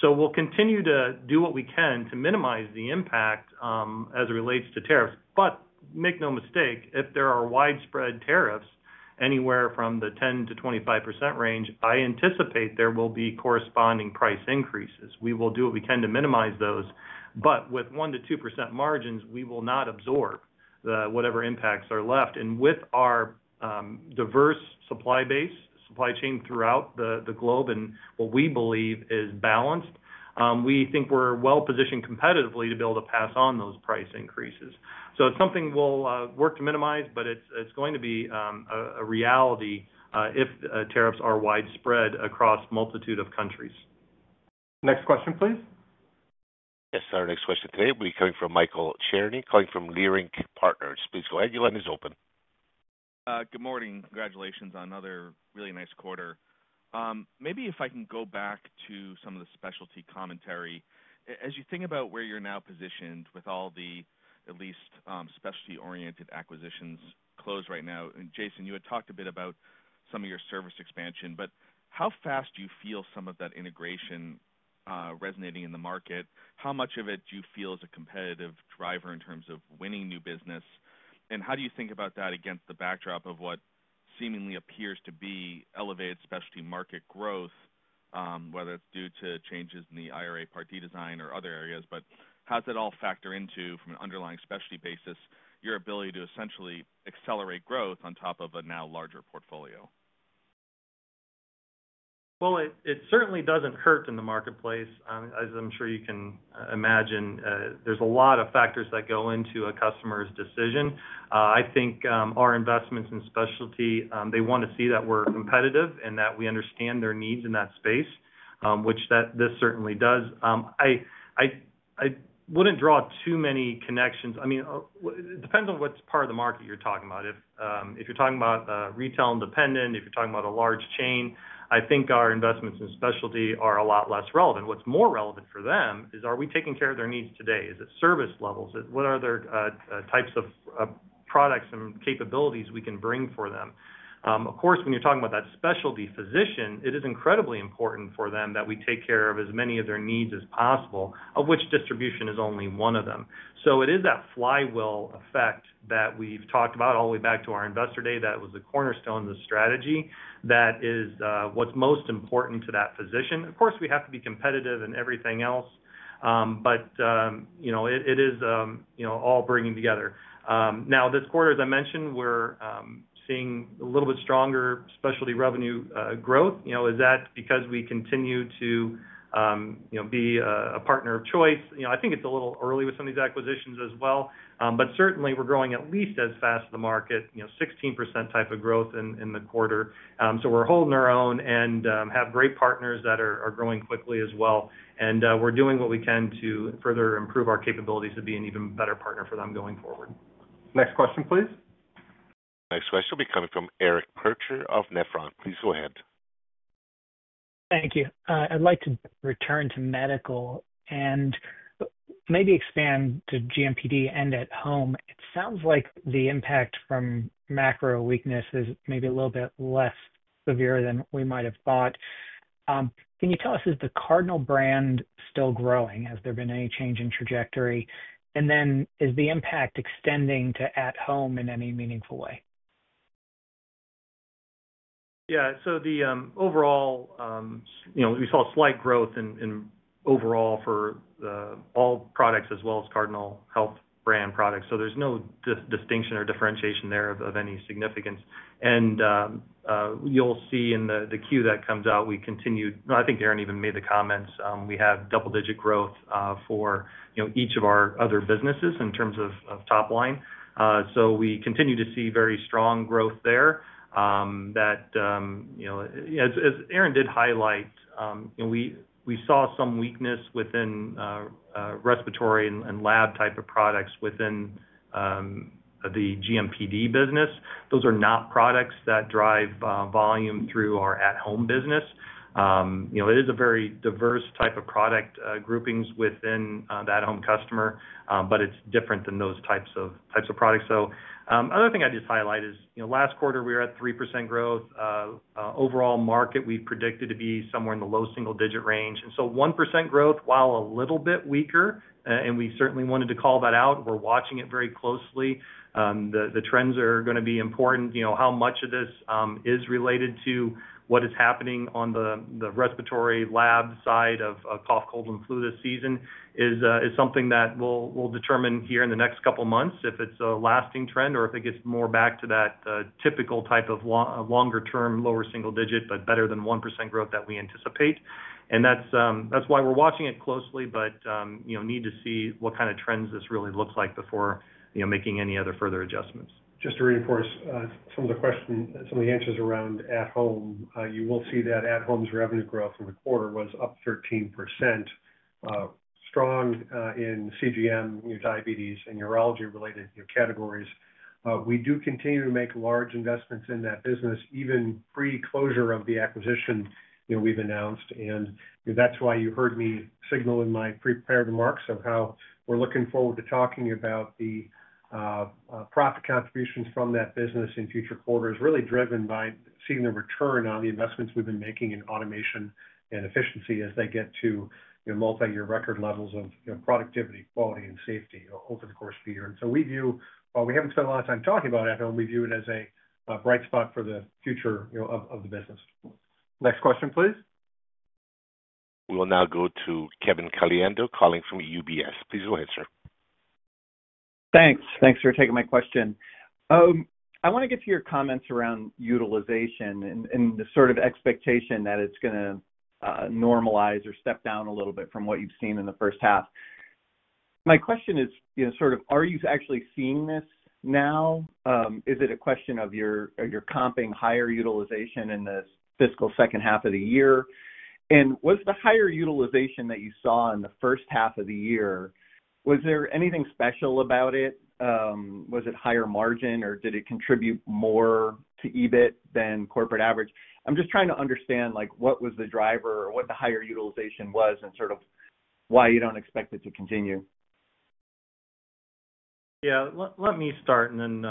So we'll continue to do what we can to minimize the impact as it relates to tariffs. But make no mistake, if there are widespread tariffs anywhere from the 10%-25% range, I anticipate there will be corresponding price increases. We will do what we can to minimize those. But with 1%-2% margins, we will not absorb whatever impacts are left. And with our diverse supply base, supply chain throughout the globe and what we believe is balanced, we think we're well-positioned competitively to be able to pass on those price increases. So it's something we'll work to minimize, but it's going to be a reality if tariffs are widespread across a multitude of countries. Next question, please. Yes, sir. Next question today will be coming from Michael Cherny calling from Leerink Partners. Please go ahead. Your line is open. Good morning. Congratulations on another really nice quarter. Maybe if I can go back to some of the Specialty commentary. As you think about where you're now positioned with all the, at least, specialty-oriented acquisitions closed right now, Jason, you had talked a bit about some of your service expansion. But how fast do you feel some of that integration resonating in the market? How much of it do you feel is a competitive driver in terms of winning new business? And how do you think about that against the backdrop of what seemingly appears to be elevated specialty market growth, whether it's due to changes in the IRA Part D design or other areas? But how does that all factor into from an underlying specialty basis, your ability to essentially accelerate growth on top of a now larger portfolio? Well, it certainly doesn't hurt in the marketplace. As I'm sure you can imagine, there's a lot of factors that go into a customer's decision. I think our investments in Specialty, they want to see that we're competitive and that we understand their needs in that space, which this certainly does. I wouldn't draw too many connections. I mean, it depends on what part of the market you're talking about. If you're talking about retail independent, if you're talking about a large chain, I think our investments in Specialty are a lot less relevant. What's more relevant for them is, are we taking care of their needs today? Is it service levels? What are the types of products and capabilities we can bring for them? Of course, when you're talking about that specialty physician, it is incredibly important for them that we take care of as many of their needs as possible, of which distribution is only one of them. So it is that flywheel effect that we've talked about all the way back to our Investor Day that was the cornerstone of the strategy that is what's most important to that physician. Of course, we have to be competitive and everything else, but it is all bringing together. Now, this quarter, as I mentioned, we're seeing a little bit stronger Specialty revenue growth. Is that because we continue to be a partner of choice? I think it's a little early with some of these acquisitions as well. But certainly, we're growing at least as fast as the market, 16% type of growth in the quarter. We're holding our own and have great partners that are growing quickly as well. And we're doing what we can to further improve our capabilities to be an even better partner for them going forward. Next question, please. Next question will be coming from Eric Percher of Nephron Research. Please go ahead. Thank you. I'd like to return to medical and maybe expand to GMPD and At-Home. It sounds like the impact from macro weakness is maybe a little bit less severe than we might have thought. Can you tell us, is the Cardinal Brand still growing? Has there been any change in trajectory? And then is the impact extending to At-Home in any meaningful way? Yeah. So the overall, we saw slight growth overall for all products as well as Cardinal Health Brand products. So there's no distinction or differentiation there of any significance. You'll see in the Q that comes out, we continued. No, I think Aaron even made the comments. We have double-digit growth for each of our other businesses in terms of top line, so we continue to see very strong growth there. As Aaron did highlight, we saw some weakness within respiratory and lab type of products within the GMPD business. Those are not products that drive volume through our At-Home business. It is a very diverse type of product groupings within that home customer, but it's different than those types of products, so another thing I'd just highlight is last quarter, we were at 3% growth. Overall market, we predicted to be somewhere in the low single-digit range, and so 1% growth, while a little bit weaker, and we certainly wanted to call that out. We're watching it very closely. The trends are going to be important. How much of this is related to what is happening on the respiratory lab side of cough, cold, and flu this season is something that we'll determine here in the next couple of months if it's a lasting trend or if it gets more back to that typical type of longer-term, lower single-digit, but better than 1% growth that we anticipate. And that's why we're watching it closely, but need to see what kind of trends this really looks like before making any other further adjustments. Just to reinforce some of the questions, some of the answers around At-Home, you will see that At-Home's revenue growth in the quarter was up 13%, strong in CGM, Diabetes, and Urology-related categories. We do continue to make large investments in that business even pre-closure of the acquisition we've announced. That's why you heard me signal in my prepared remarks of how we're looking forward to talking about the profit contributions from that business in future quarters, really driven by seeing the return on the investments we've been making in automation and efficiency as they get to multi-year record levels of productivity, quality, and safety over the course of the year. So we view, while we haven't spent a lot of time talking about At-Home, we view it as a bright spot for the future of the business. Next question, please. We will now go to Kevin Caliendo calling from UBS. Please go ahead, sir. Thanks. Thanks for taking my question. I want to get to your comments around utilization and the sort of expectation that it's going to normalize or step down a little bit from what you've seen in the first half. My question is sort of, are you actually seeing this now? Is it a question of your comping higher utilization in the Fiscal second half of the year? And was the higher utilization that you saw in the first half of the year, was there anything special about it? Was it higher margin, or did it contribute more to EBIT than corporate average? I'm just trying to understand what was the driver or what the higher utilization was and sort of why you don't expect it to continue. Yeah. Let me start, and then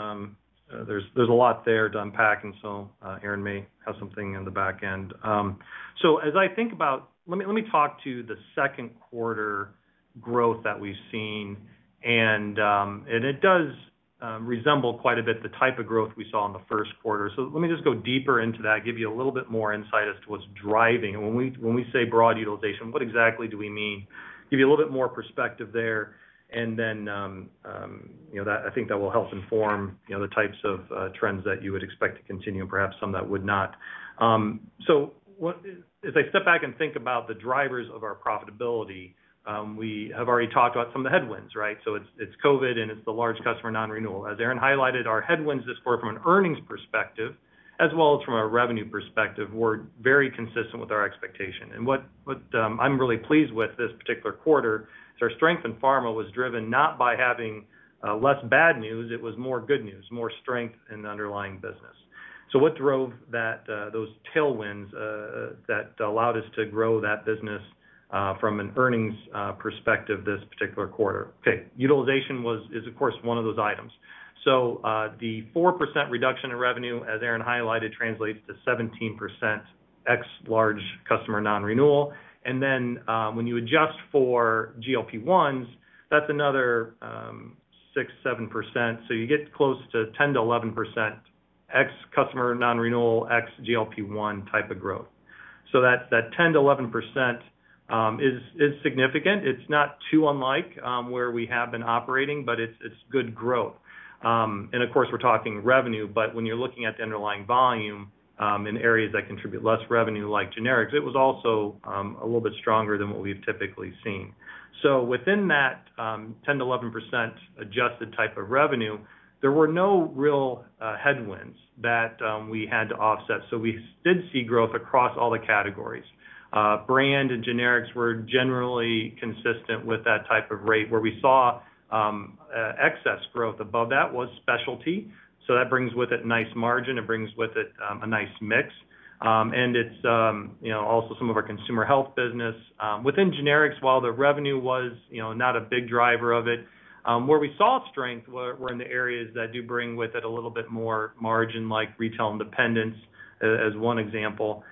there's a lot there to unpack. And so Aaron may have something in the back end. So as I think about, let me talk to the second quarter growth that we've seen. And it does resemble quite a bit the type of growth we saw in the first quarter. So let me just go deeper into that, give you a little bit more insight as to what's driving. And when we say broad utilization, what exactly do we mean? Give you a little bit more perspective there. And then I think that will help inform the types of trends that you would expect to continue and perhaps some that would not. So as I step back and think about the drivers of our profitability, we have already talked about some of the headwinds, right? So it's COVID, and it's the large customer non-renewal. As Aaron highlighted, our headwinds this quarter from an earnings perspective as well as from a revenue perspective were very consistent with our expectation. And what I'm really pleased with this particular quarter is our strength in Pharma was driven not by having less bad news. It was more good news, more strength in the underlying business. So what drove those tailwinds that allowed us to grow that business from an earnings perspective this particular quarter? Okay. Utilization is, of course, one of those items. So the 4% reduction in revenue, as Aaron highlighted, translates to 17% Ex-large customer non-renewal. And then when you adjust for GLP-1s, that's another 6-7%. So you get close to 10-11% Ex-Customer Non-Renewal, Ex-GLP-1 type of growth. So that 10-11% is significant. It's not too unlike where we have been operating, but it's good growth. And of course, we're talking revenue. But when you're looking at the underlying volume in areas that contribute less revenue like Generics, it was also a little bit stronger than what we've typically seen. So within that 10%-11% adjusted type of revenue, there were no real headwinds that we had to offset. So we did see growth across all the categories. Brand and Generics were generally consistent with that type of rate where we saw excess growth above that was Specialty. So that brings with it nice margin. It brings with it a nice mix. And it's also some of our Consumer Health business. Within Generics, while the revenue was not a big driver of it, where we saw strength were in the areas that do bring with it a little bit more margin like Retail Independents as one example.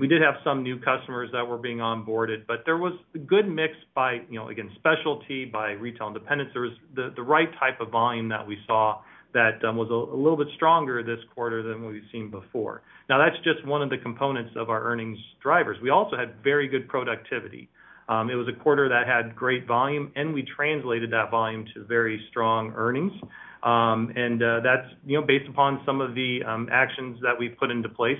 We did have some new customers that were being onboarded, but there was a good mix by, again, Specialty, by Retail Independents. There was the right type of volume that we saw that was a little bit stronger this quarter than what we've seen before. Now, that's just one of the components of our earnings drivers. We also had very good productivity. It was a quarter that had great volume, and we translated that volume to very strong earnings. And that's based upon some of the actions that we've put into place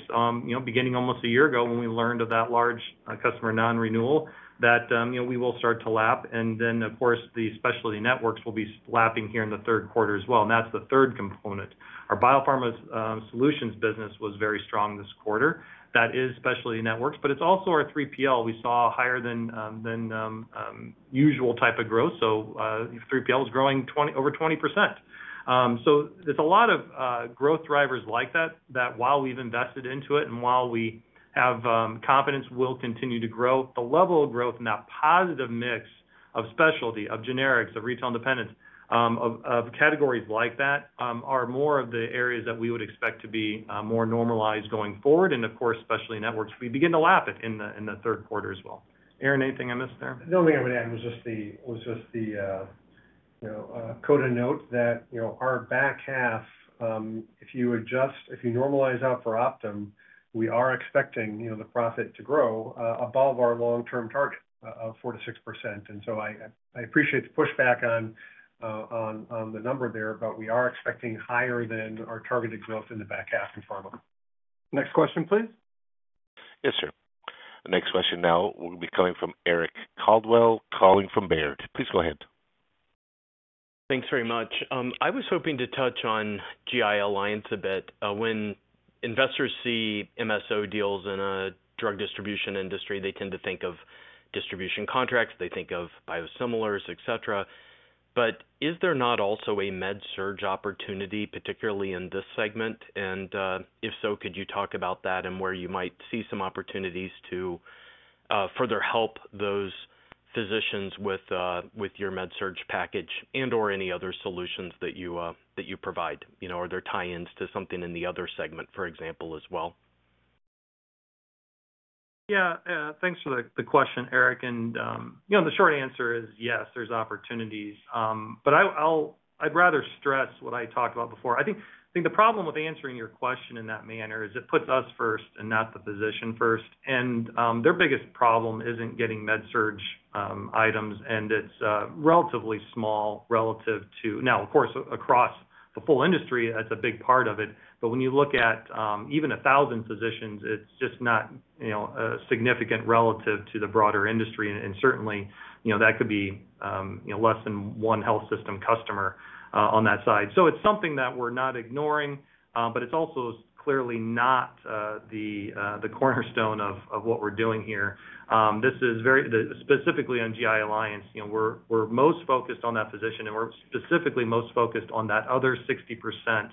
beginning almost a year ago when we learned of that large customer non-renewal that we will start to lap. And then, of course, the Specialty Networks will be lapping here in the third quarter as well. And that's the third component. Our Biopharma Solutions business was very strong this quarter. That is Specialty Networks. But it's also our 3PL. We saw higher than usual type of growth. So 3PL is growing over 20%. So, there's a lot of growth drivers like that that, while we've invested into it and while we have confidence, will continue to grow. The level of growth and that positive mix of specialty, of generics, of Retail Independents, of categories like that are more of the areas that we would expect to be more normalized going forward. And of course, Specialty Networks, we begin to lap it in the third quarter as well. Aaron, anything I missed there? The only thing I would add was just the coda note that our back half, if you normalize out for Optum, we are expecting the profit to grow above our long-term target of 4%-6%. And so I appreciate the pushback on the number there, but we are expecting higher than our targeted growth in the back half in Pharma. Next question, please. Yes, sir. Next question now will be coming from Eric Coldwell calling from Baird. Please go ahead. Thanks very much. I was hoping to touch on GI Alliance a bit. When investors see MSO deals in a drug distribution industry, they tend to think of distribution contracts. They think of biosimilars, etc. But is there not also a Med-Surg opportunity, particularly in this segment? And if so, could you talk about that and where you might see some opportunities to further help those physicians with your Med-Surg package and/or any other solutions that you provide? Are there tie-ins to something in the Other segment, for example, as well? Yeah. Thanks for the question, Eric. And the short answer is yes, there's opportunities. But I'd rather stress what I talked about before. I think the problem with answering your question in that manner is it puts us first and not the physician first. Their biggest problem isn't getting Med-Surg items, and it's relatively small relative to now, of course, across the full industry. That's a big part of it. But when you look at even 1,000 physicians, it's just not significant relative to the broader industry. And certainly, that could be less than one health system customer on that side. So it's something that we're not ignoring, but it's also clearly not the cornerstone of what we're doing here. This is specifically on GI Alliance. We're most focused on that physician, and we're specifically most focused on that other 60%,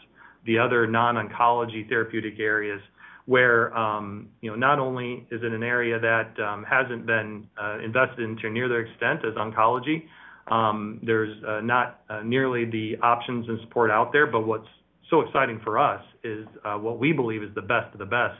the other non-oncology therapeutic areas where not only is it an area that hasn't been invested into near their extent as Oncology, there's not nearly the options and support out there. But what's so exciting for us is what we believe is the best of the best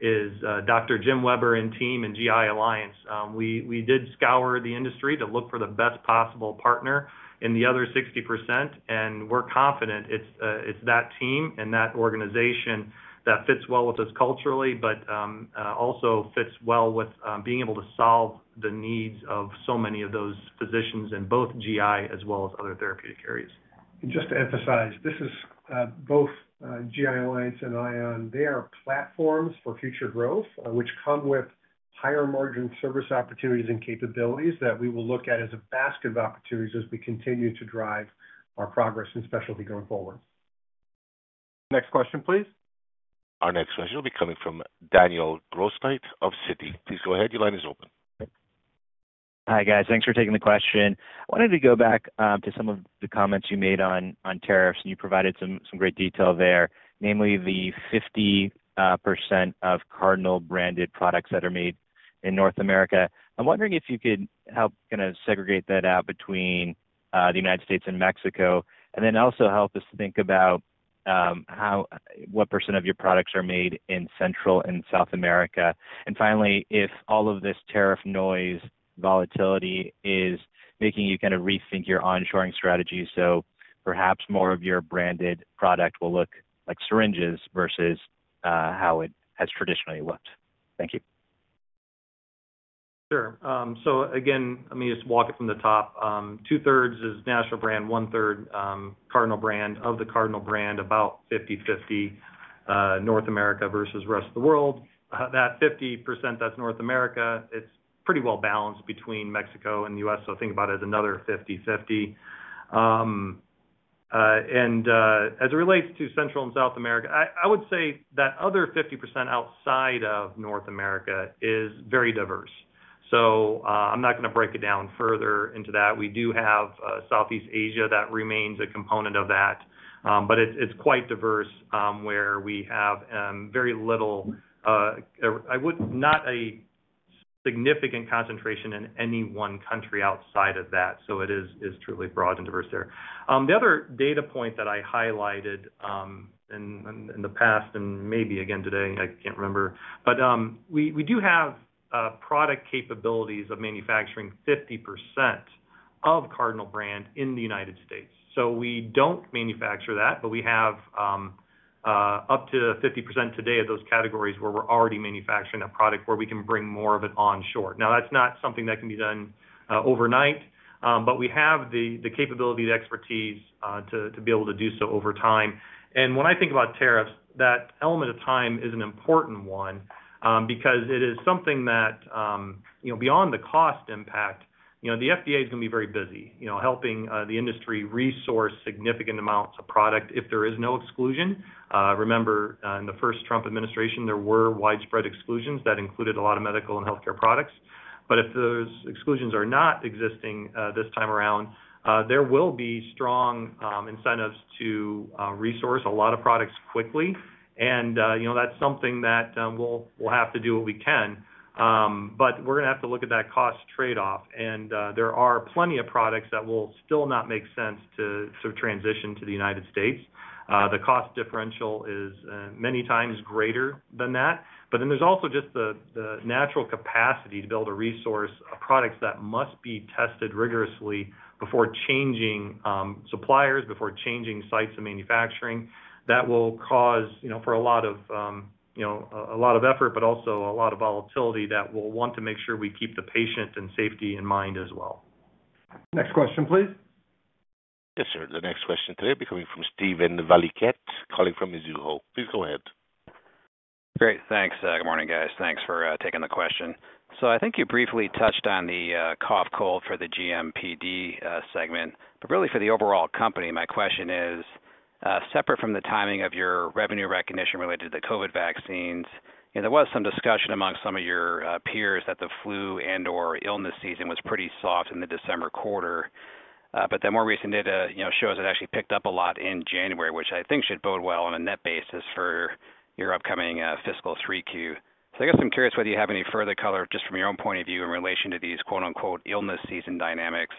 is Dr. Jim Weber and team in GI Alliance. We did scour the industry to look for the best possible partner in the other 60%. And we're confident it's that team and that organization that fits well with us culturally, but also fits well with being able to solve the needs of so many of those physicians in both GI as well as other therapeutic areas. And just to emphasize, this is both GI Alliance and ION. They are platforms for future growth, which come with higher margin service opportunities and capabilities that we will look at as a basket of opportunities as we continue to drive our progress in Specialty going forward. Next question, please. Our next question will be coming from Daniel Grosslight of Citi. Please go ahead. Your line is open. Hi, guys. Thanks for taking the question. I wanted to go back to some of the comments you made on tariffs, and you provided some great detail there, namely the 50% of Cardinal-Branded products that are made in North America. I'm wondering if you could help kind of segregate that out between the United States and Mexico, and then also help us think about what percent of your products are made in Central and South America. And finally, if all of this tariff noise volatility is making you kind of rethink your onshoring strategy, so perhaps more of your branded product will look like syringes versus how it has traditionally looked. Thank you. Sure. So again, let me just walk it from the top. Two-thirds is national brand, one-third Cardinal Brand. Of the Cardinal Brand, about 50/50 North America versus rest of the world. That 50%, that's North America. It's pretty well balanced between Mexico and the U.S., so think about it as another 50/50. And as it relates to Central and South America, I would say that other 50% outside of North America is very diverse. So I'm not going to break it down further into that. We do have Southeast Asia that remains a component of that, but it's quite diverse where we have very little, not a significant concentration in any one country outside of that. So it is truly broad and diverse there. The other data point that I highlighted in the past and maybe again today, I can't remember, but we do have product capabilities of manufacturing 50% of Cardinal Brand in the United States. So we don't manufacture that, but we have up to 50% today of those categories where we're already manufacturing a product where we can bring more of it onshore. Now, that's not something that can be done overnight, but we have the capability, the expertise to be able to do so over time. And when I think about tariffs, that element of time is an important one because it is something that beyond the cost impact, the FDA is going to be very busy helping the industry resource significant amounts of product if there is no exclusion. Remember, in the first Trump Administration, there were widespread exclusions that included a lot of medical and healthcare products. But if those exclusions are not existing this time around, there will be strong incentives to resource a lot of products quickly. And that's something that we'll have to do what we can. But we're going to have to look at that cost trade-off. And there are plenty of products that will still not make sense to transition to the United States. The cost differential is many times greater than that, but then there's also just the natural capacity to be able to resource products that must be tested rigorously before changing suppliers, before changing sites of manufacturing. That will cause for a lot of effort, but also a lot of volatility that we'll want to make sure we keep the patient and safety in mind as well. Next question, please. Yes, sir. The next question today will be coming from Steven Valiquette calling from Mizuho. Please go ahead. Great. Thanks. Good morning, guys. Thanks for taking the question, so I think you briefly touched on the cough, cold for the GMPD segment. But really, for the overall company, my question is, separate from the timing of your revenue recognition related to the COVID vaccines, there was some discussion among some of your peers that the flu and/or illness season was pretty soft in the December quarter. But that more recent data shows it actually picked up a lot in January, which I think should bode well on a net basis for your upcoming Fiscal 3Q. So I guess I'm curious whether you have any further color just from your own point of view in relation to these "illness season" dynamics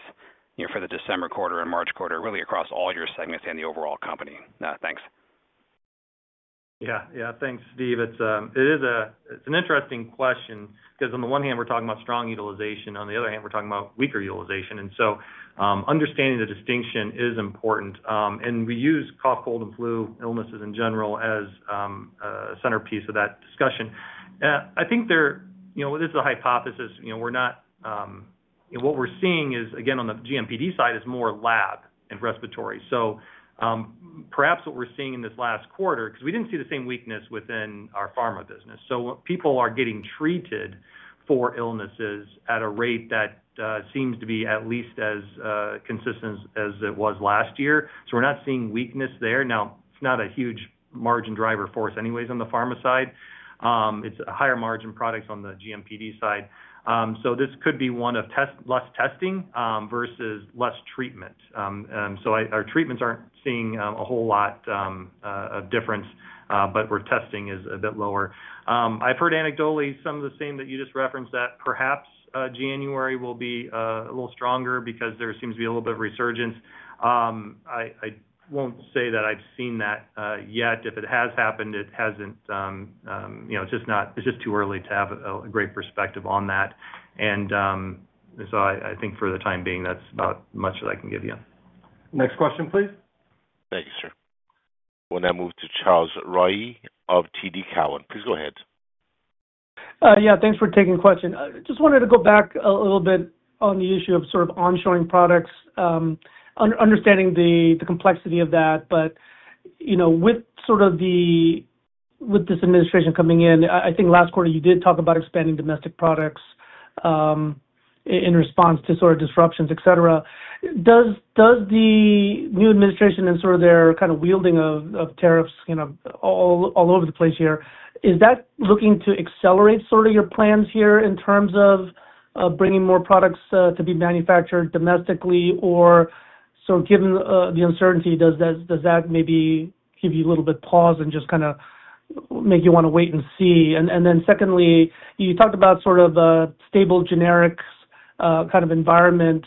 for the December quarter and March quarter, really across all your segments and the overall company. Thanks. Yeah. Yeah. Thanks, Steven. It is an interesting question because on the one hand, we're talking about strong utilization. On the other hand, we're talking about weaker utilization. And so understanding the distinction is important. We use cough, cold, and flu illnesses in general as a centerpiece of that discussion. I think this is a hypothesis. What we're seeing is, again, on the GMPD side, more lab and respiratory. Perhaps what we're seeing in this last quarter [is] because we didn't see the same weakness within our Pharma business. People are getting treated for illnesses at a rate that seems to be at least as consistent as it was last year. We're not seeing weakness there. Now, it's not a huge margin driver for us anyways on the Pharma side. It's a higher margin product on the GMPD side. This could be one of less testing versus less treatment. Our treatments aren't seeing a whole lot of difference, but we're testing is a bit lower. I've heard anecdotally some of the same that you just referenced that perhaps January will be a little stronger because there seems to be a little bit of resurgence. I won't say that I've seen that yet. If it has happened, it hasn't. It's just not. It's just too early to have a great perspective on that. And so I think for the time being, that's about as much that I can give you. Next question, please. Thank you, sir. We'll now move to Charles Rhyee of TD Cowen. Please go ahead. Yeah. Thanks for taking the question. Just wanted to go back a little bit on the issue of sort of onshoring products, understanding the complexity of that. But with sort of this administration coming in, I think last quarter you did talk about expanding domestic products in response to sort of disruptions, etc. Does the new administration and sort of their kind of wielding of tariffs all over the place here, is that looking to accelerate sort of your plans here in terms of bringing more products to be manufactured domestically? Or so given the uncertainty, does that maybe give you a little bit of pause and just kind of make you want to wait and see? And then secondly, you talked about sort of stable generics kind of environment.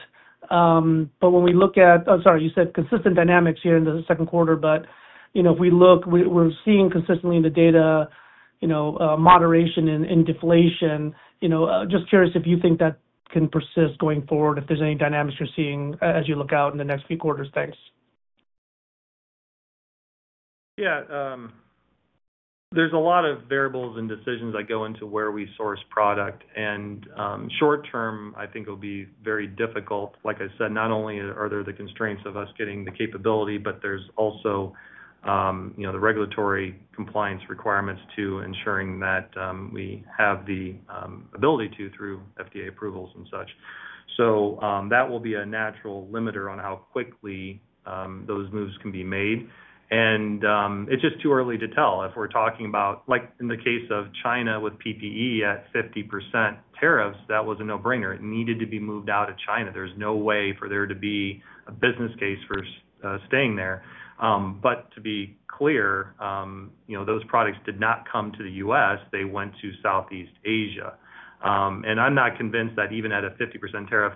But when we look at, oh, sorry, you said consistent dynamics here in the second quarter. But if we look, we're seeing consistently in the data moderation and deflation. Just curious if you think that can persist going forward, if there's any dynamics you're seeing as you look out in the next few quarters. Thanks. Yeah. There's a lot of variables and decisions that go into where we source product. Short term, I think it will be very difficult. Like I said, not only are there the constraints of us getting the capability, but there's also the regulatory compliance requirements to ensuring that we have the ability to through FDA approvals and such. So that will be a natural limiter on how quickly those moves can be made. And it's just too early to tell. If we're talking about, like in the case of China with PPE at 50% tariffs, that was a no-brainer. It needed to be moved out of China. There's no way for there to be a business case for staying there. But to be clear, those products did not come to the U.S. They went to Southeast Asia. And I'm not convinced that even at a 50% tariff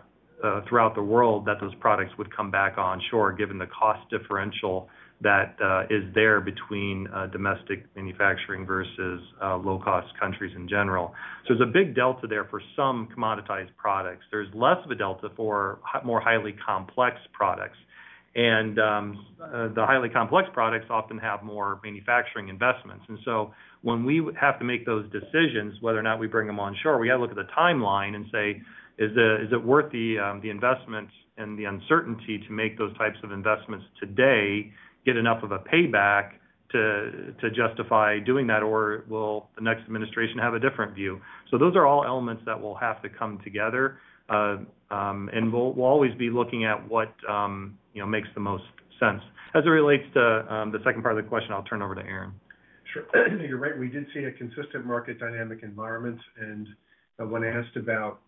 throughout the world, that those products would come back onshore given the cost differential that is there between domestic manufacturing versus low-cost countries in general. So there's a big delta there for some commoditized products. There's less of a delta for more highly complex products. And the highly complex products often have more manufacturing investments. And so when we have to make those decisions, whether or not we bring them onshore, we got to look at the timeline and say, "Is it worth the investment and the uncertainty to make those types of investments today, get enough of a payback to justify doing that, or will the next administration have a different view?" So those are all elements that will have to come together. And we'll always be looking at what makes the most sense. As it relates to the second part of the question, I'll turn over to Aaron. Sure. You're right. We did see a consistent market dynamic environment. When asked about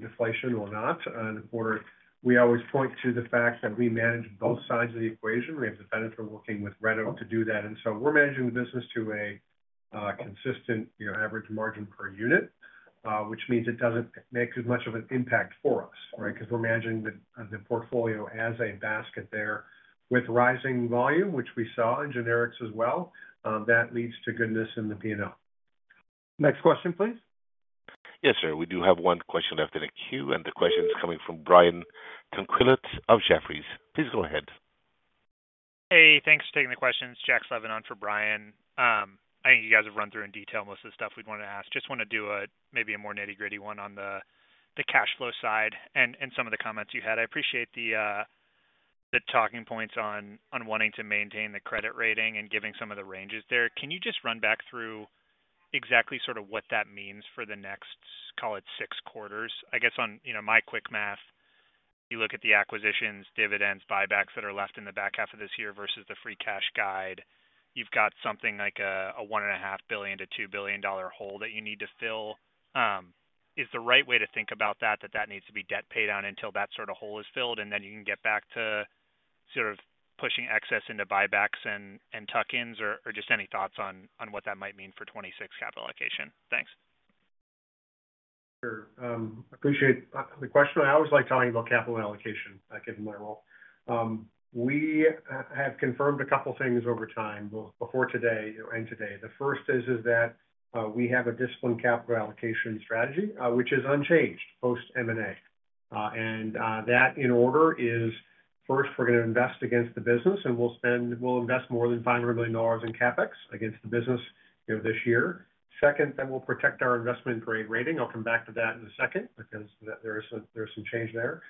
deflation or not on the quarter, we always point to the fact that we manage both sides of the equation. We have the benefit of working with Red Oak to do that. So we're managing the business to a consistent average margin per unit, which means it doesn't make as much of an impact for us, right, because we're managing the portfolio as a basket there with rising volume, which we saw in Generics as well. That leads to goodness in the P&L. Next question, please. Yes, sir. We do have one question left in a queue. The question's coming from Brian Tanquilut of Jefferies. Please go ahead. Hey. Thanks for taking the questions. Jack Slevin for Brian. I think you guys have run through in detail most of the stuff we'd wanted to ask. Just want to do maybe a more nitty-gritty one on the cash flow side and some of the comments you had. I appreciate the talking points on wanting to maintain the credit rating and giving some of the ranges there. Can you just run back through exactly sort of what that means for the next, call it, six quarters? I guess on my quick math, you look at the acquisitions, dividends, buybacks that are left in the back half of this year versus the free cash guide. You've got something like a $1.5 billion-$2 billion hole that you need to fill. Is the right way to think about that that needs to be debt paid on until that sort of hole is filled, and then you can get back to sort of pushing excess into buybacks and tuck-ins, or just any thoughts on what that might mean for '26 capital allocation? Thanks. Sure. I appreciate the question. I always like talking about capital allocation given my role. We have confirmed a couple of things over time before today and today. The first is that we have a disciplined capital allocation strategy, which is unchanged post-M&A. And that in order is, first, we're going to invest against the business, and we'll invest more than $500 million in CapEx against the business this year. Second, that we'll protect our investment-grade rating. I'll come back to that in a second because there is some change there.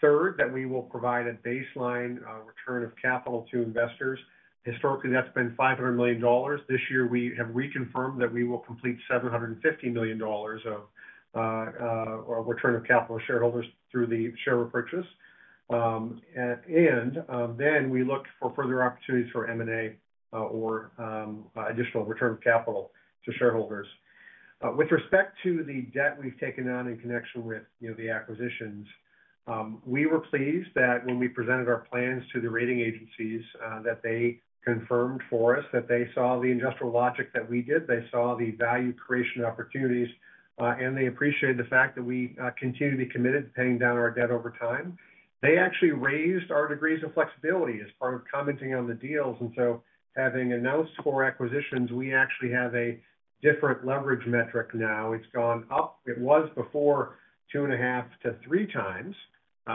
Third, that we will provide a baseline return of capital to investors. Historically, that's been $500 million. This year, we have reconfirmed that we will complete $750 million of return of capital shareholders through the share repurchase. And then we look for further opportunities for M&A or additional return of capital to shareholders. With respect to the debt we've taken on in connection with the acquisitions, we were pleased that when we presented our plans to the rating agencies, that they confirmed for us that they saw the industrial logic that we did. They saw the value creation opportunities, and they appreciated the fact that we continue to be committed to paying down our debt over time. They actually raised our degrees of flexibility as part of commenting on the deals. And so having announced four acquisitions, we actually have a different leverage metric now. It's gone up. It was before 2.5-3 times.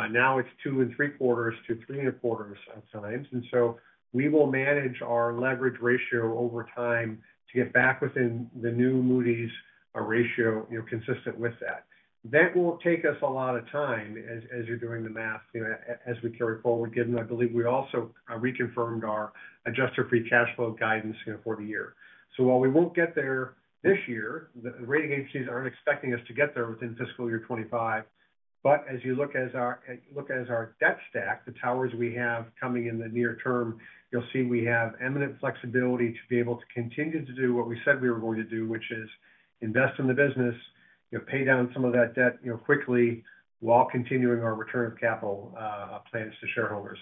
Now it's 2.75-3.25 times. And so we will manage our leverage ratio over time to get back within the new Moody's ratio consistent with that. That will take us a lot of time as you're doing the math as we carry forward, given I believe we also reconfirmed our adjusted free cash flow guidance for the year. So while we won't get there this year, the rating agencies aren't expecting us to get there within Fiscal Year 2025. But as you look at our debt stack, the towers we have coming in the near term, you'll see we have inherent flexibility to be able to continue to do what we said we were going to do, which is invest in the business, pay down some of that debt quickly while continuing our return of capital plans to shareholders.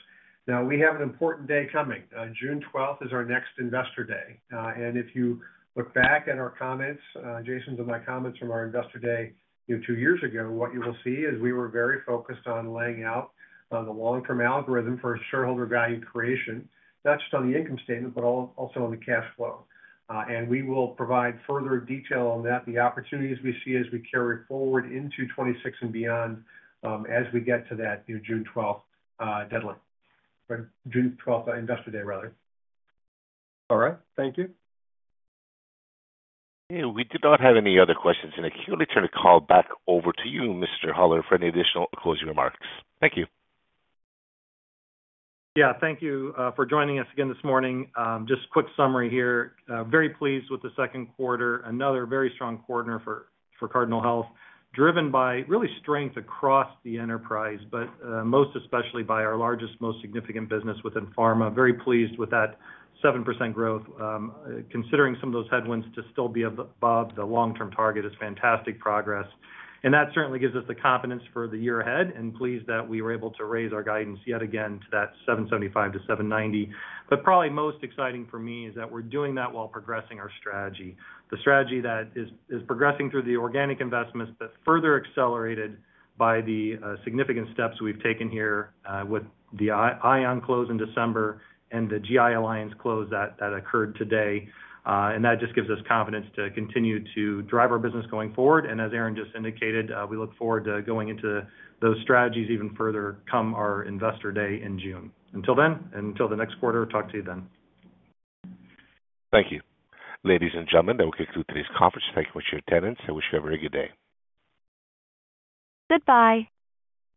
Now, we have an important day coming. June 12th is our next investor day. And if you look back at our comments, Jason's and my comments from our investor day two years ago, what you will see is we were very focused on laying out the long-term algorithm for shareholder value creation, not just on the income statement, but also on the cash flow. And we will provide further detail on that, the opportunities we see as we carry forward into 2026 and beyond as we get to that June 12th deadline, June 12th investor day, rather. All right. Thank you. And we do not have any other questions. And I can only turn the call back over to you, Mr. Hollar, for any additional closing remarks. Thank you. Yeah. Thank you for joining us again this morning. Just quick summary here. Very pleased with the second quarter, another very strong quarter for Cardinal Health, driven by real strength across the enterprise, but most especially by our largest, most significant business within Pharma. Very pleased with that 7% growth. Considering some of those headwinds to still be above the long-term target is fantastic progress. And that certainly gives us the confidence for the year ahead, and [we are] pleased that we were able to raise our guidance yet again to that $7.75-$7.90. But probably most exciting for me is that we're doing that while progressing our strategy, the strategy that is progressing through the organic investments that [are] further accelerated by the significant steps we've taken here with the ION close in December and the GI Alliance close that occurred today. And that just gives us confidence to continue to drive our business going forward. And as Aaron just indicated, we look forward to going into those strategies even further come our Investor Day in June. Until then, and until the next quarter, talk to you then. Thank you. Ladies and gentlemen, that will conclude today's conference. Thank you for your attendance. I wish you have a very good day. Goodbye.